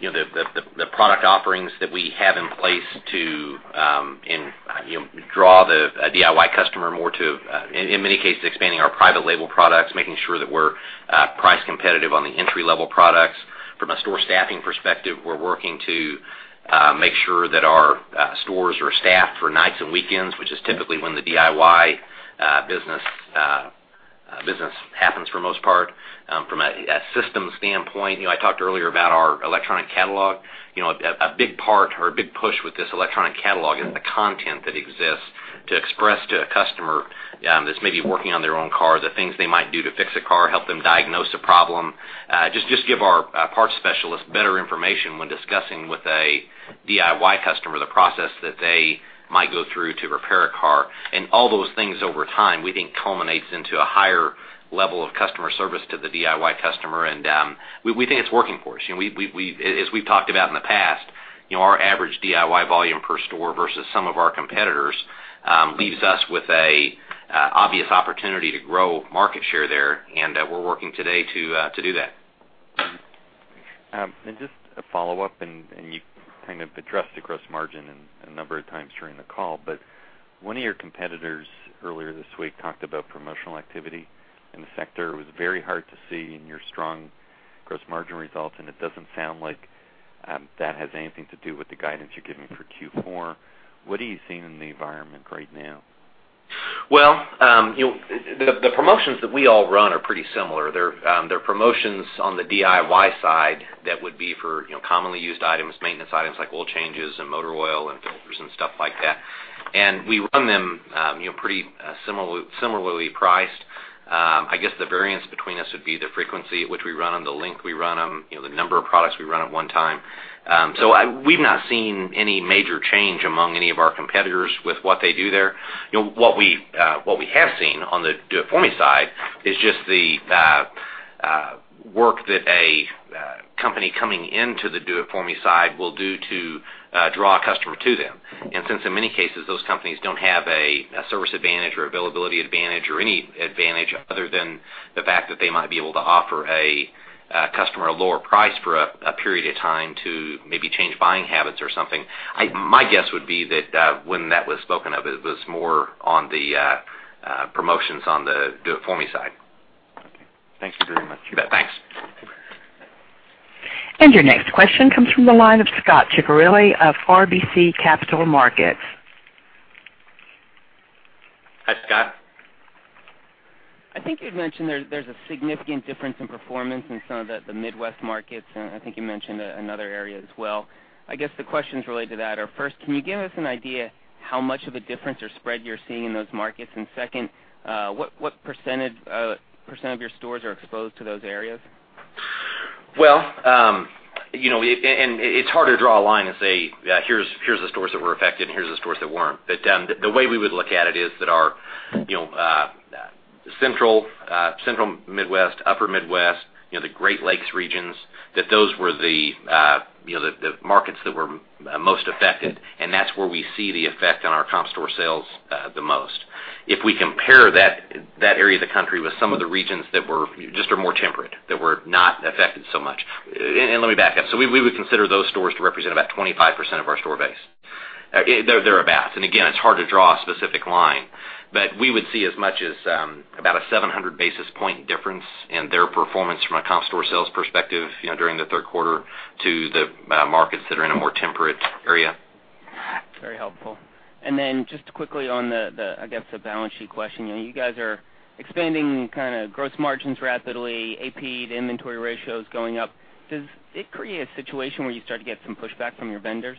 the product offerings that we have in place to draw the DIY customer more to, in many cases, expanding our private label products, making sure that we're price competitive on the entry-level products. From a store staffing perspective, we're working to make sure that our stores are staffed for nights and weekends, which is typically when the DIY business happens for the most part. From a systems standpoint, I talked earlier about our electronic catalog. A big part or a big push with this electronic catalog is the content that exists to express to a customer that's maybe working on their own car, the things they might do to fix a car, help them diagnose a problem, just give our parts specialists better information when discussing with a DIY customer the process that they might go through to repair a car. All those things over time, we think culminates into a higher level of customer service to the DIY customer, and we think it's working for us. As we've talked about in the past. Our average DIY volume per store versus some of our competitors leaves us with an obvious opportunity to grow market share there, and we're working today to do that. Just a follow-up, and you kind of addressed the gross margin a number of times during the call, but one of your competitors earlier this week talked about promotional activity in the sector. It was very hard to see in your strong gross margin results, and it doesn't sound like that has anything to do with the guidance you're giving for Q4. What are you seeing in the environment right now? Well, the promotions that we all run are pretty similar. They're promotions on the DIY side that would be for commonly used items, maintenance items like oil changes and motor oil and filters and stuff like that. We run them pretty similarly priced. I guess the variance between us would be the frequency at which we run them, the length we run them, the number of products we run at one time. We've not seen any major change among any of our competitors with what they do there. What we have seen on the Do It For Me side is just the work that a company coming into the Do It For Me side will do to draw a customer to them. Since in many cases, those companies don't have a service advantage or availability advantage or any advantage other than the fact that they might be able to offer a customer a lower price for a period of time to maybe change buying habits or something, my guess would be that when that was spoken of, it was more on the promotions on the Do It For Me side. Okay. Thanks very much. You bet. Thanks. Your next question comes from the line of Scot Ciccarelli of RBC Capital Markets. Hi, Scot. I think you'd mentioned there's a significant difference in performance in some of the Midwest markets, and I think you mentioned another area as well. I guess the questions related to that are, first, can you give us an idea how much of a difference or spread you're seeing in those markets? Second, what % of your stores are exposed to those areas? It's hard to draw a line and say, "Here's the stores that were affected, and here's the stores that weren't." The way we would look at it is that our central Midwest, upper Midwest, the Great Lakes regions, that those were the markets that were most affected, and that's where we see the effect on our comp store sales the most. If we compare that area of the country with some of the regions that just are more temperate, that were not affected so much. Let me back up. We would consider those stores to represent about 25% of our store base, thereabouts. Again, it's hard to draw a specific line, but we would see as much as about a 700 basis point difference in their performance from a comp store sales perspective during the third quarter to the markets that are in a more temperate area. Very helpful. Then just quickly on, I guess, the balance sheet question. You guys are expanding kind of gross margins rapidly, AP to inventory ratio is going up. Does it create a situation where you start to get some pushback from your vendors?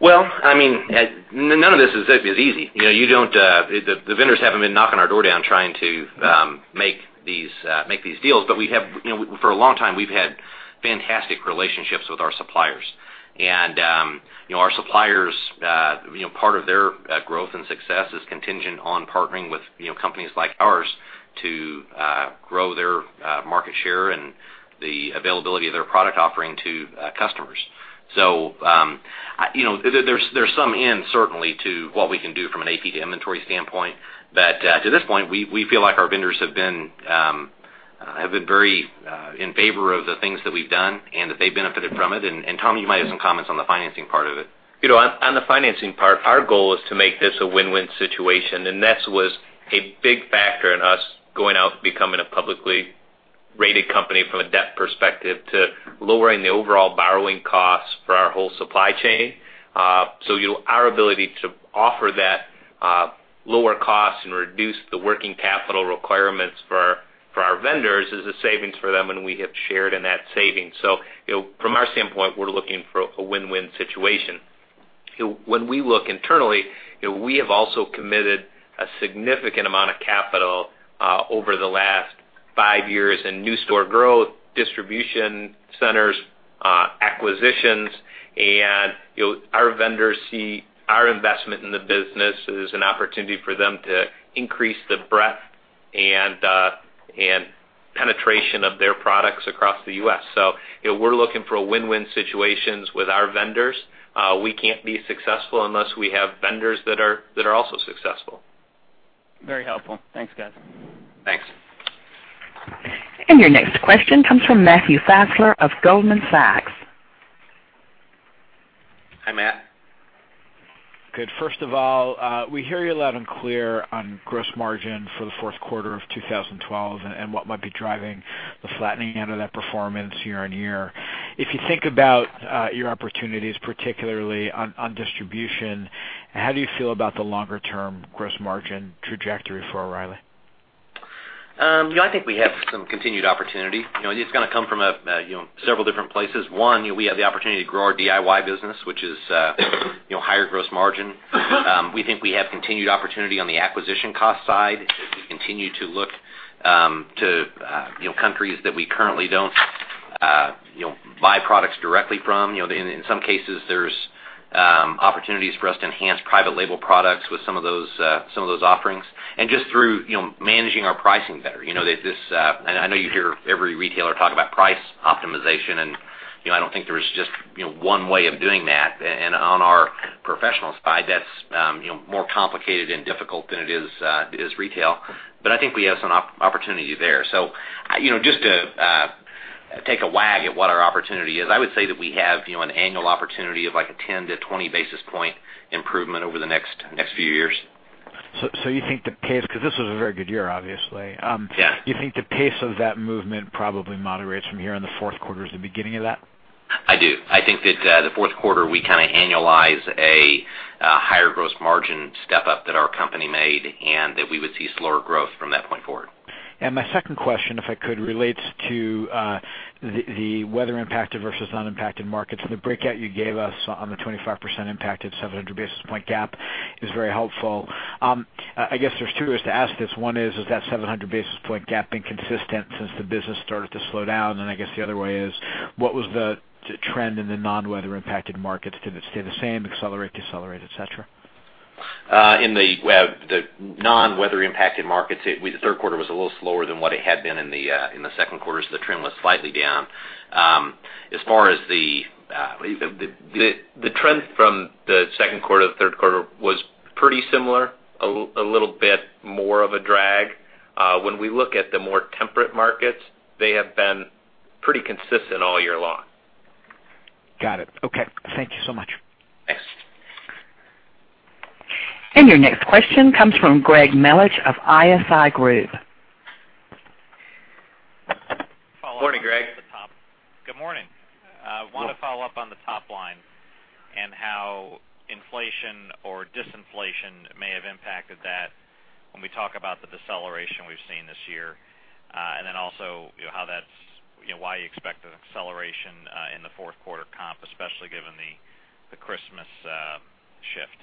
Well, none of this is easy. The vendors haven't been knocking our door down trying to make these deals, but for a long time, we've had fantastic relationships with our suppliers. Our suppliers, part of their growth and success is contingent on partnering with companies like ours to grow their market share and the availability of their product offering to customers. There's some end certainly to what we can do from an AP to inventory standpoint. To this point, we feel like our vendors have been very in favor of the things that we've done, and that they benefited from it. Tom, you might have some comments on the financing part of it. On the financing part, our goal is to make this a win-win situation, and this was a big factor in us going out and becoming a publicly rated company from a debt perspective to lowering the overall borrowing costs for our whole supply chain. Our ability to offer that lower cost and reduce the working capital requirements for our vendors is a savings for them, and we have shared in that saving. From our standpoint, we're looking for a win-win situation. When we look internally, we have also committed a significant amount of capital over the last five years in new store growth, distribution centers, acquisitions, and our vendors see our investment in the business as an opportunity for them to increase the breadth and penetration of their products across the U.S. We're looking for win-win situations with our vendors. We can't be successful unless we have vendors that are also successful. Very helpful. Thanks, guys. Thanks. Your next question comes from Matthew Fassler of Goldman Sachs. Hi, Matt. Good. First of all, we hear you loud and clear on gross margin for the fourth quarter of 2012 and what might be driving the flattening end of that performance year-on-year. If you think about your opportunities, particularly on distribution, how do you feel about the longer-term gross margin trajectory for O'Reilly? I think we have some continued opportunity. It's going to come from several different places. One, we have the opportunity to grow our DIY business, which is higher gross margin. We think we have continued opportunity on the acquisition cost side as we continue to look to countries that we currently don't buy products directly from. In some cases, there's opportunities for us to enhance private label products with some of those offerings. Just through managing our pricing better. I know you hear every retailer talk about price optimization. I don't think there is just one way of doing that. On our professional side, that's more complicated and difficult than it is retail, but I think we have some opportunity there. Just to take a wag at what our opportunity is, I would say that we have an annual opportunity of a 10-20 basis points improvement over the next few years. You think the pace, because this was a very good year, obviously? Yeah You think the pace of that movement probably moderates from here in the fourth quarter as the beginning of that? I do. I think that the fourth quarter, we annualize a higher gross margin step-up that our company made, that we would see slower growth from that point forward. My second question, if I could, relates to the weather-impacted versus non-impacted markets. The breakout you gave us on the 25% impacted 700 basis point gap is very helpful. I guess there's two ways to ask this. One is, has that 700 basis point gap been consistent since the business started to slow down? I guess the other way is, what was the trend in the non-weather impacted markets? Did it stay the same, accelerate, decelerate, et cetera? In the non-weather impacted markets, the third quarter was a little slower than what it had been in the second quarter, so the trend was slightly down. The trend from the second quarter to the third quarter was pretty similar, a little bit more of a drag. When we look at the more temperate markets, they have been pretty consistent all year long. Got it. Okay. Thank you so much. Thanks. Your next question comes from Gregory Melich of ISI Group. Morning, Greg. Good morning. I want to follow up on the top line and how inflation or disinflation may have impacted that when we talk about the deceleration we've seen this year. Then also, why you expect an acceleration in the fourth quarter comp, especially given the Christmas shift.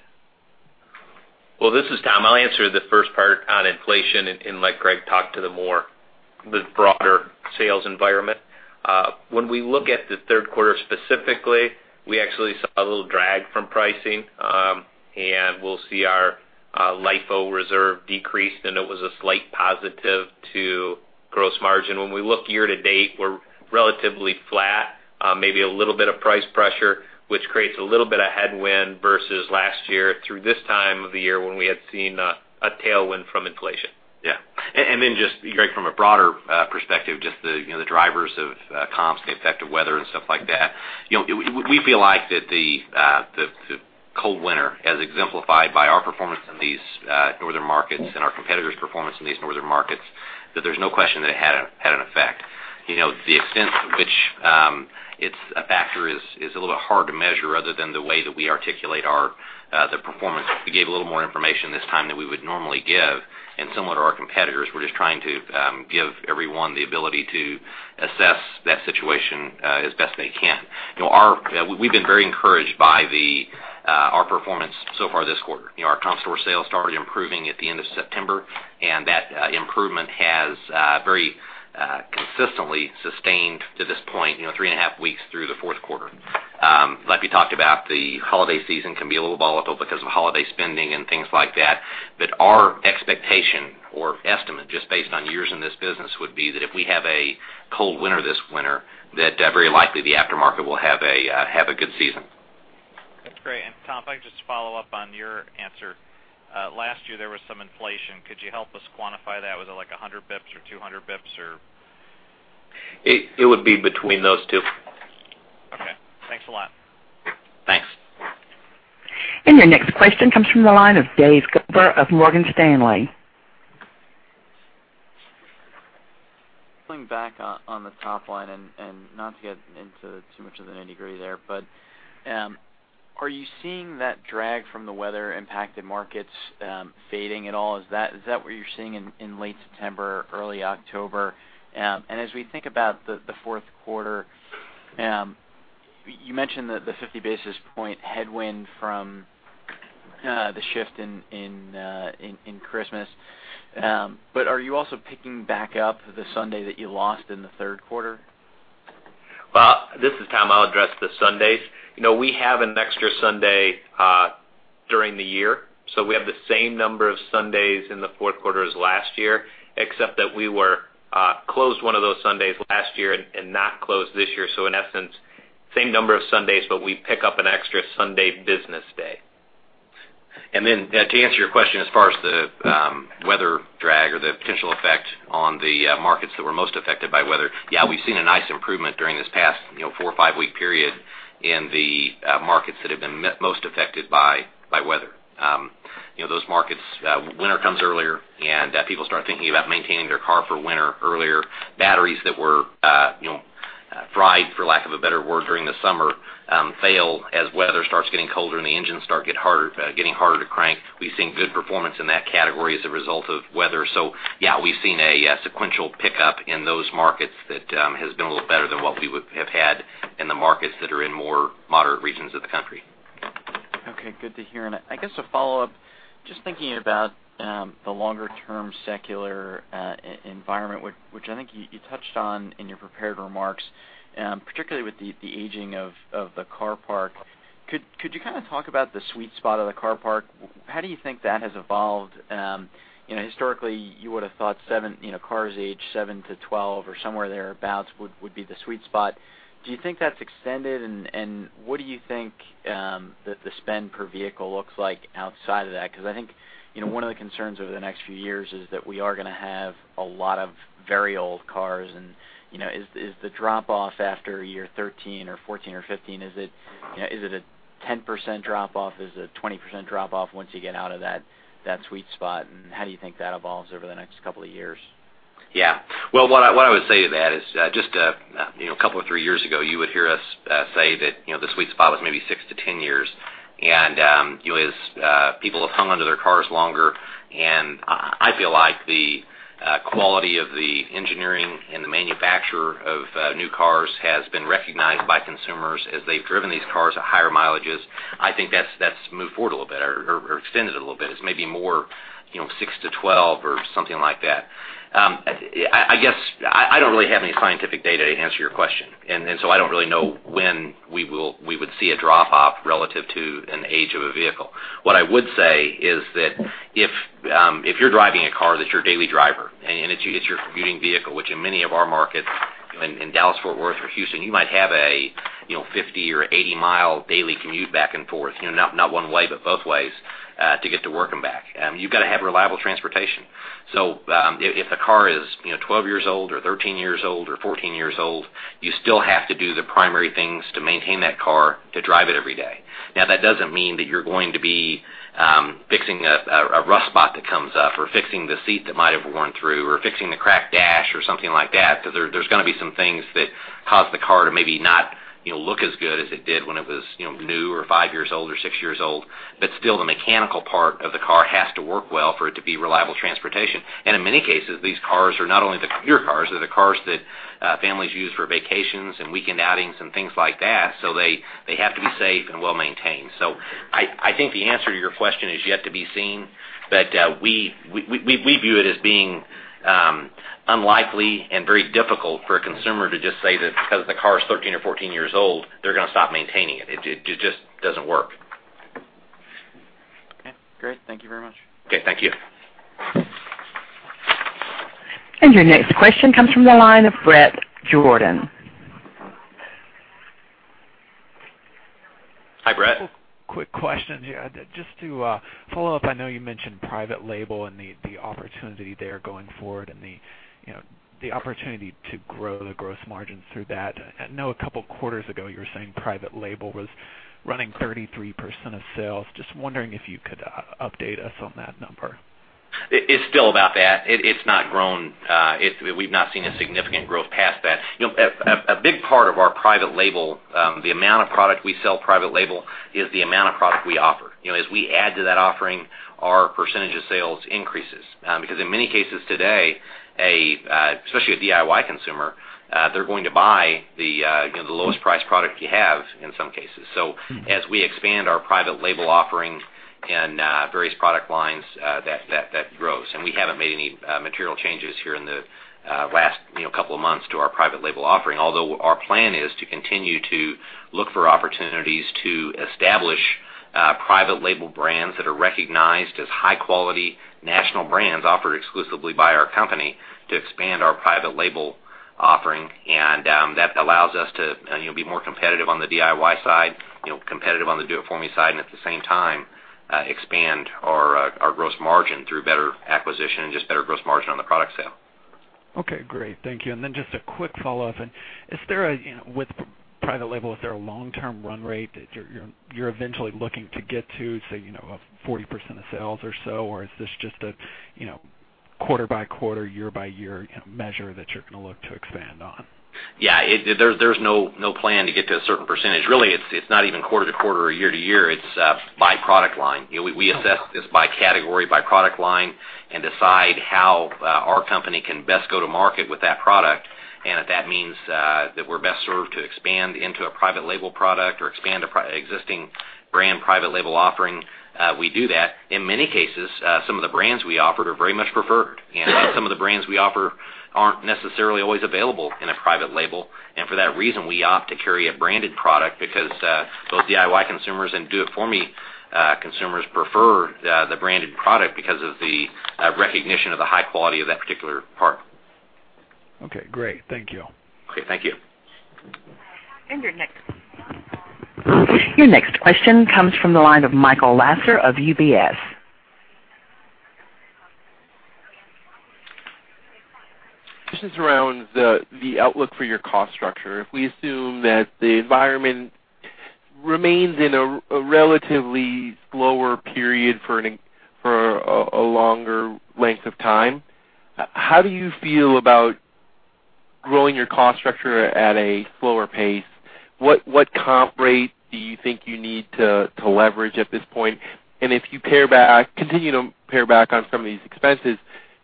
Well, this is Tom. I'll answer the first part on inflation and let Greg talk to the broader sales environment. When we look at the third quarter specifically, we actually saw a little drag from pricing. We'll see our LIFO reserve decrease, then it was a slight positive to gross margin. When we look year to date, we're relatively flat, maybe a little bit of price pressure, which creates a little bit of headwind versus last year through this time of the year when we had seen a tailwind from inflation. Yeah. Then just, Greg, from a broader perspective, just the drivers of comps, the effect of weather and stuff like that. We feel like that the cold winter, as exemplified by our performance in these northern markets and our competitors' performance in these northern markets, that there's no question that it had an effect. The extent to which it's a factor is a little hard to measure other than the way that we articulate the performance. We gave a little more information this time than we would normally give, and so would our competitors. We're just trying to give everyone the ability to assess that situation as best they can. We've been very encouraged by our performance so far this quarter. Our comp store sales started improving at the end of September, and that improvement has very consistently sustained to this point, three and a half weeks through the fourth quarter. Like we talked about, the holiday season can be a little volatile because of holiday spending and things like that. Our expectation or estimate, just based on years in this business, would be that if we have a cold winter this winter, that very likely the aftermarket will have a good season. That's great. Tom, if I could just follow up on your answer. Last year, there was some inflation. Could you help us quantify that? Was it like 100 basis points or 200 basis points or? It would be between those two. Okay. Thanks a lot. Thanks. Your next question comes from the line of David Cooper of Morgan Stanley. Going back on the top line and not to get into too much of the nitty-gritty there, are you seeing that drag from the weather-impacted markets fading at all? Is that what you're seeing in late September, early October? As we think about the fourth quarter, you mentioned the 50 basis point headwind from the shift in Christmas. Are you also picking back up the Sunday that you lost in the third quarter? Well, this is Tom. I'll address the Sundays. We have an extra Sunday during the year. We have the same number of Sundays in the fourth quarter as last year, except that we were closed one of those Sundays last year and not closed this year. In essence, same number of Sundays, but we pick up an extra Sunday business day. To answer your question as far as the weather drag or the potential effect on the markets that were most affected by weather, yeah, we've seen a nice improvement during this past four or five-week period in the markets that have been most affected by weather. Those markets, winter comes earlier and people start thinking about maintaining their car for winter earlier. Batteries that were fried, for lack of a better word, during the summer, fail as weather starts getting colder and the engines start getting harder to crank. We've seen good performance in that category as a result of weather. Yeah, we've seen a sequential pickup in those markets that has been a little better than what we would have had in the markets that are in more moderate regions of the country. Okay, good to hear. I guess a follow-up, just thinking about the longer-term secular environment, which I think you touched on in your prepared remarks, particularly with the aging of the car park. Could you talk about the sweet spot of the car park? How do you think that has evolved? Historically, you would've thought cars age seven to 12 or somewhere thereabouts would be the sweet spot. Do you think that's extended? What do you think the spend per vehicle looks like outside of that? Because I think, one of the concerns over the next few years is that we are going to have a lot of very old cars. Is the drop-off after year 13 or 14 or 15, is it a 10% drop-off? Is it a 20% drop-off once you get out of that sweet spot? How do you think that evolves over the next couple of years? Yeah. Well, what I would say to that is, just a couple or three years ago, you would hear us say that the sweet spot was maybe 6 to 10 years. As people have hung onto their cars longer, and I feel like the quality of the engineering and the manufacturer of new cars has been recognized by consumers as they've driven these cars at higher mileages. I think that's moved forward a little bit or extended a little bit. It's maybe more 6 to 12 or something like that. I guess I don't really have any scientific data to answer your question, I don't really know when we would see a drop-off relative to an age of a vehicle. What I would say is that if you're driving a car that's your daily driver, and it's your commuting vehicle, which in many of our markets in Dallas, Fort Worth, or Houston, you might have a 50 or 80-mile daily commute back and forth, not one way, but both ways, to get to work and back. You've got to have reliable transportation. If the car is 12 years old or 13 years old or 14 years old, you still have to do the primary things to maintain that car to drive it every day. Now, that doesn't mean that you're going to be fixing a rough spot that comes up or fixing the seat that might have worn through or fixing the cracked dash or something like that, because there's going to be some things that cause the car to maybe not look as good as it did when it was new or five years old or six years old. Still, the mechanical part of the car has to work well for it to be reliable transportation. In many cases, these cars are not only the commuter cars, they're the cars that families use for vacations and weekend outings and things like that, so they have to be safe and well-maintained. I think the answer to your question is yet to be seen, but we view it as being unlikely and very difficult for a consumer to just say that because the car is 13 or 14 years old, they're going to stop maintaining it. It just doesn't work. Okay, great. Thank you very much. Okay, thank you. Your next question comes from the line of Bret Jordan. Hi, Bret. Quick question here. Just to follow up, I know you mentioned private label and the opportunity there going forward and the opportunity to grow the gross margins through that. I know a couple of quarters ago, you were saying private label was running 33% of sales. Just wondering if you could update us on that number. It's still about that. It's not grown. We've not seen a significant growth past that. A big part of our private label, the amount of product we sell private label is the amount of product we offer. As we add to that offering, our percentage of sales increases. Because in many cases today, especially a DIY consumer, they're going to buy the lowest priced product you have in some cases. As we expand our private label offering and various product lines, that grows. We haven't made any material changes here in the last couple of months to our private label offering. Although our plan is to continue to look for opportunities to establish private label brands that are recognized as high-quality national brands offered exclusively by our company to expand our private label offering. That allows us to be more competitive on the DIY side, competitive on the do it for me side, and at the same time, expand our gross margin through better acquisition and just better gross margin on the product sale. Okay, great. Thank you. Just a quick follow-up. With private label, is there a long-term run rate that you're eventually looking to get to, say, 40% of sales or so? Or is this just a quarter by quarter, year by year measure that you're going to look to expand on? Yeah, there's no plan to get to a certain %. Really, it's not even quarter-to-quarter or year-to-year, it's by product line. We assess this by category, by product line, and decide how our company can best go to market with that product. If that means that we're best served to expand into a private label product or expand existing brand private label offering, we do that. In many cases, some of the brands we offer are very much preferred, and some of the brands we offer aren't necessarily always available in a private label. For that reason, we opt to carry a branded product because both DIY consumers and do it for me consumers prefer the branded product because of the recognition of the high quality of that particular part. Okay, great. Thank you. Okay, thank you. Your next question comes from the line of Michael Lasser of UBS. This is around the outlook for your cost structure. If we assume that the environment remains in a relatively slower period for a longer length of time, how do you feel about growing your cost structure at a slower pace? What comp rate do you think you need to leverage at this point? If you continue to pare back on some of these expenses,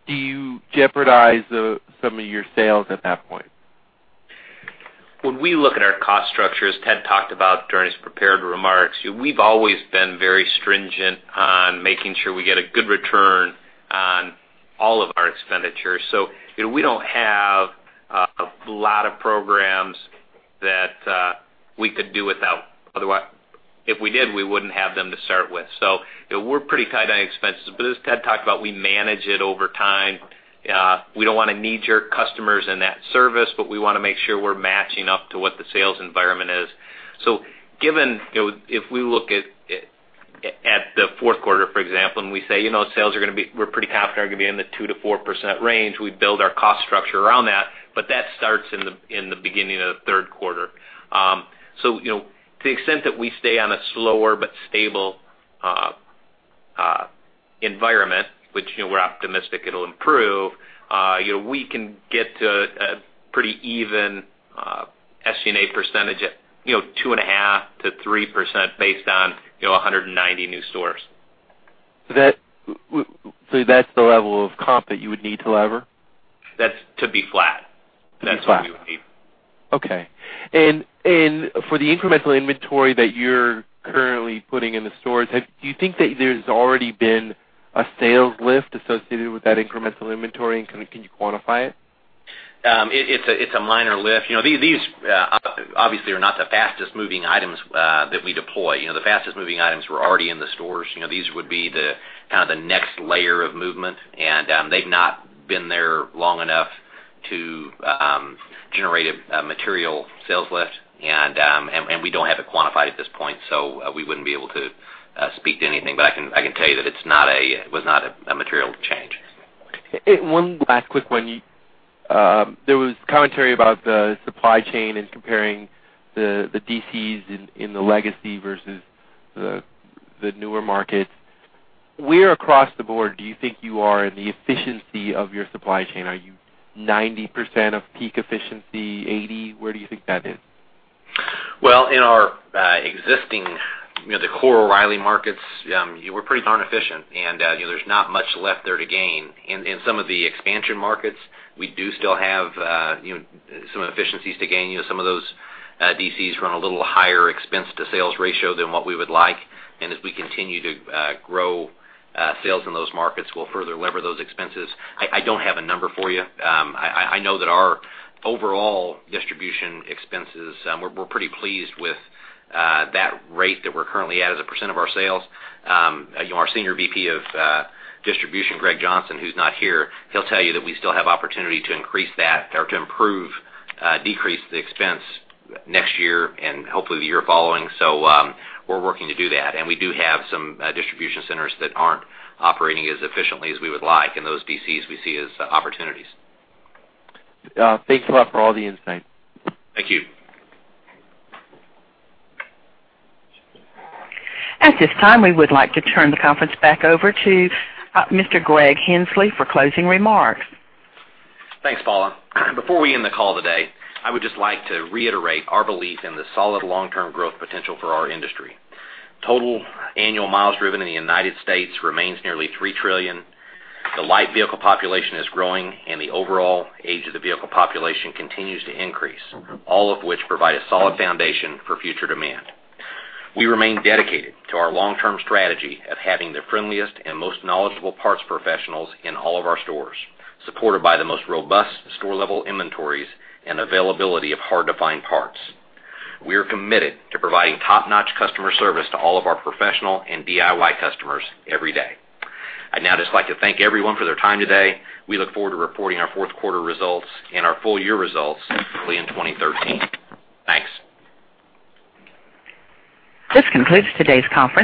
do you jeopardize some of your sales at that point? When we look at our cost structure, as Ted talked about during his prepared remarks, we've always been very stringent on making sure we get a good return on all of our expenditures. We don't have a lot of programs that we could do without. If we did, we wouldn't have them to start with. We're pretty tight on expenses. As Ted talked about, we manage it over time. We don't want to knee-jerk customers in that service, but we want to make sure we're matching up to what the sales environment is. Given if we look at the fourth quarter, for example, and we say, sales, we're pretty confident are going to be in the 2%-4% range. We build our cost structure around that, but that starts in the beginning of the third quarter. To the extent that we stay on a slower but stable environment, which we're optimistic it'll improve, we can get to a pretty even SG&A percentage at 2.5%-3% based on 190 new stores. That's the level of comp that you would need to lever? That's to be flat. To be flat. That's what we would need. Okay. For the incremental inventory that you're currently putting in the stores, do you think that there's already been a sales lift associated with that incremental inventory, and can you quantify it? It's a minor lift. These obviously are not the fastest moving items that we deploy. The fastest moving items were already in the stores. These would be the next layer of movement, and they've not been there long enough to generate a material sales lift. We don't have it quantified at this point, so we wouldn't be able to speak to anything. I can tell you that it was not a material change. One last quick one. There was commentary about the supply chain and comparing the DCs in the legacy versus the newer markets. Where across the board do you think you are in the efficiency of your supply chain? Are you 90% of peak efficiency, 80%? Where do you think that is? Well, in our existing core O’Reilly markets, we're pretty darn efficient, and there's not much left there to gain. In some of the expansion markets, we do still have some efficiencies to gain. Some of those DCs run a little higher expense to sales ratio than what we would like. As we continue to grow sales in those markets, we'll further lever those expenses. I don't have a number for you. I know that our overall distribution expenses, we're pretty pleased with that rate that we're currently at as a % of our sales. Our Senior VP of Distribution, Greg Johnson, who's not here, he'll tell you that we still have opportunity to increase that or to improve, decrease the expense next year and hopefully the year following. We're working to do that, and we do have some distribution centers that aren't operating as efficiently as we would like, and those DCs we see as opportunities. Thanks a lot for all the insight. Thank you. At this time, we would like to turn the conference back over to Mr. Greg Henslee for closing remarks. Thanks, Paula. Before we end the call today, I would just like to reiterate our belief in the solid long-term growth potential for our industry. Total annual miles driven in the U.S. remains nearly 3 trillion. The light vehicle population is growing, and the overall age of the vehicle population continues to increase, all of which provide a solid foundation for future demand. We remain dedicated to our long-term strategy of having the friendliest and most knowledgeable parts professionals in all of our stores, supported by the most robust store-level inventories and availability of hard-to-find parts. We are committed to providing top-notch customer service to all of our professional and DIY customers every day. I'd now just like to thank everyone for their time today. We look forward to reporting our fourth quarter results and our full year results early in 2013. Thanks. This concludes today's conference.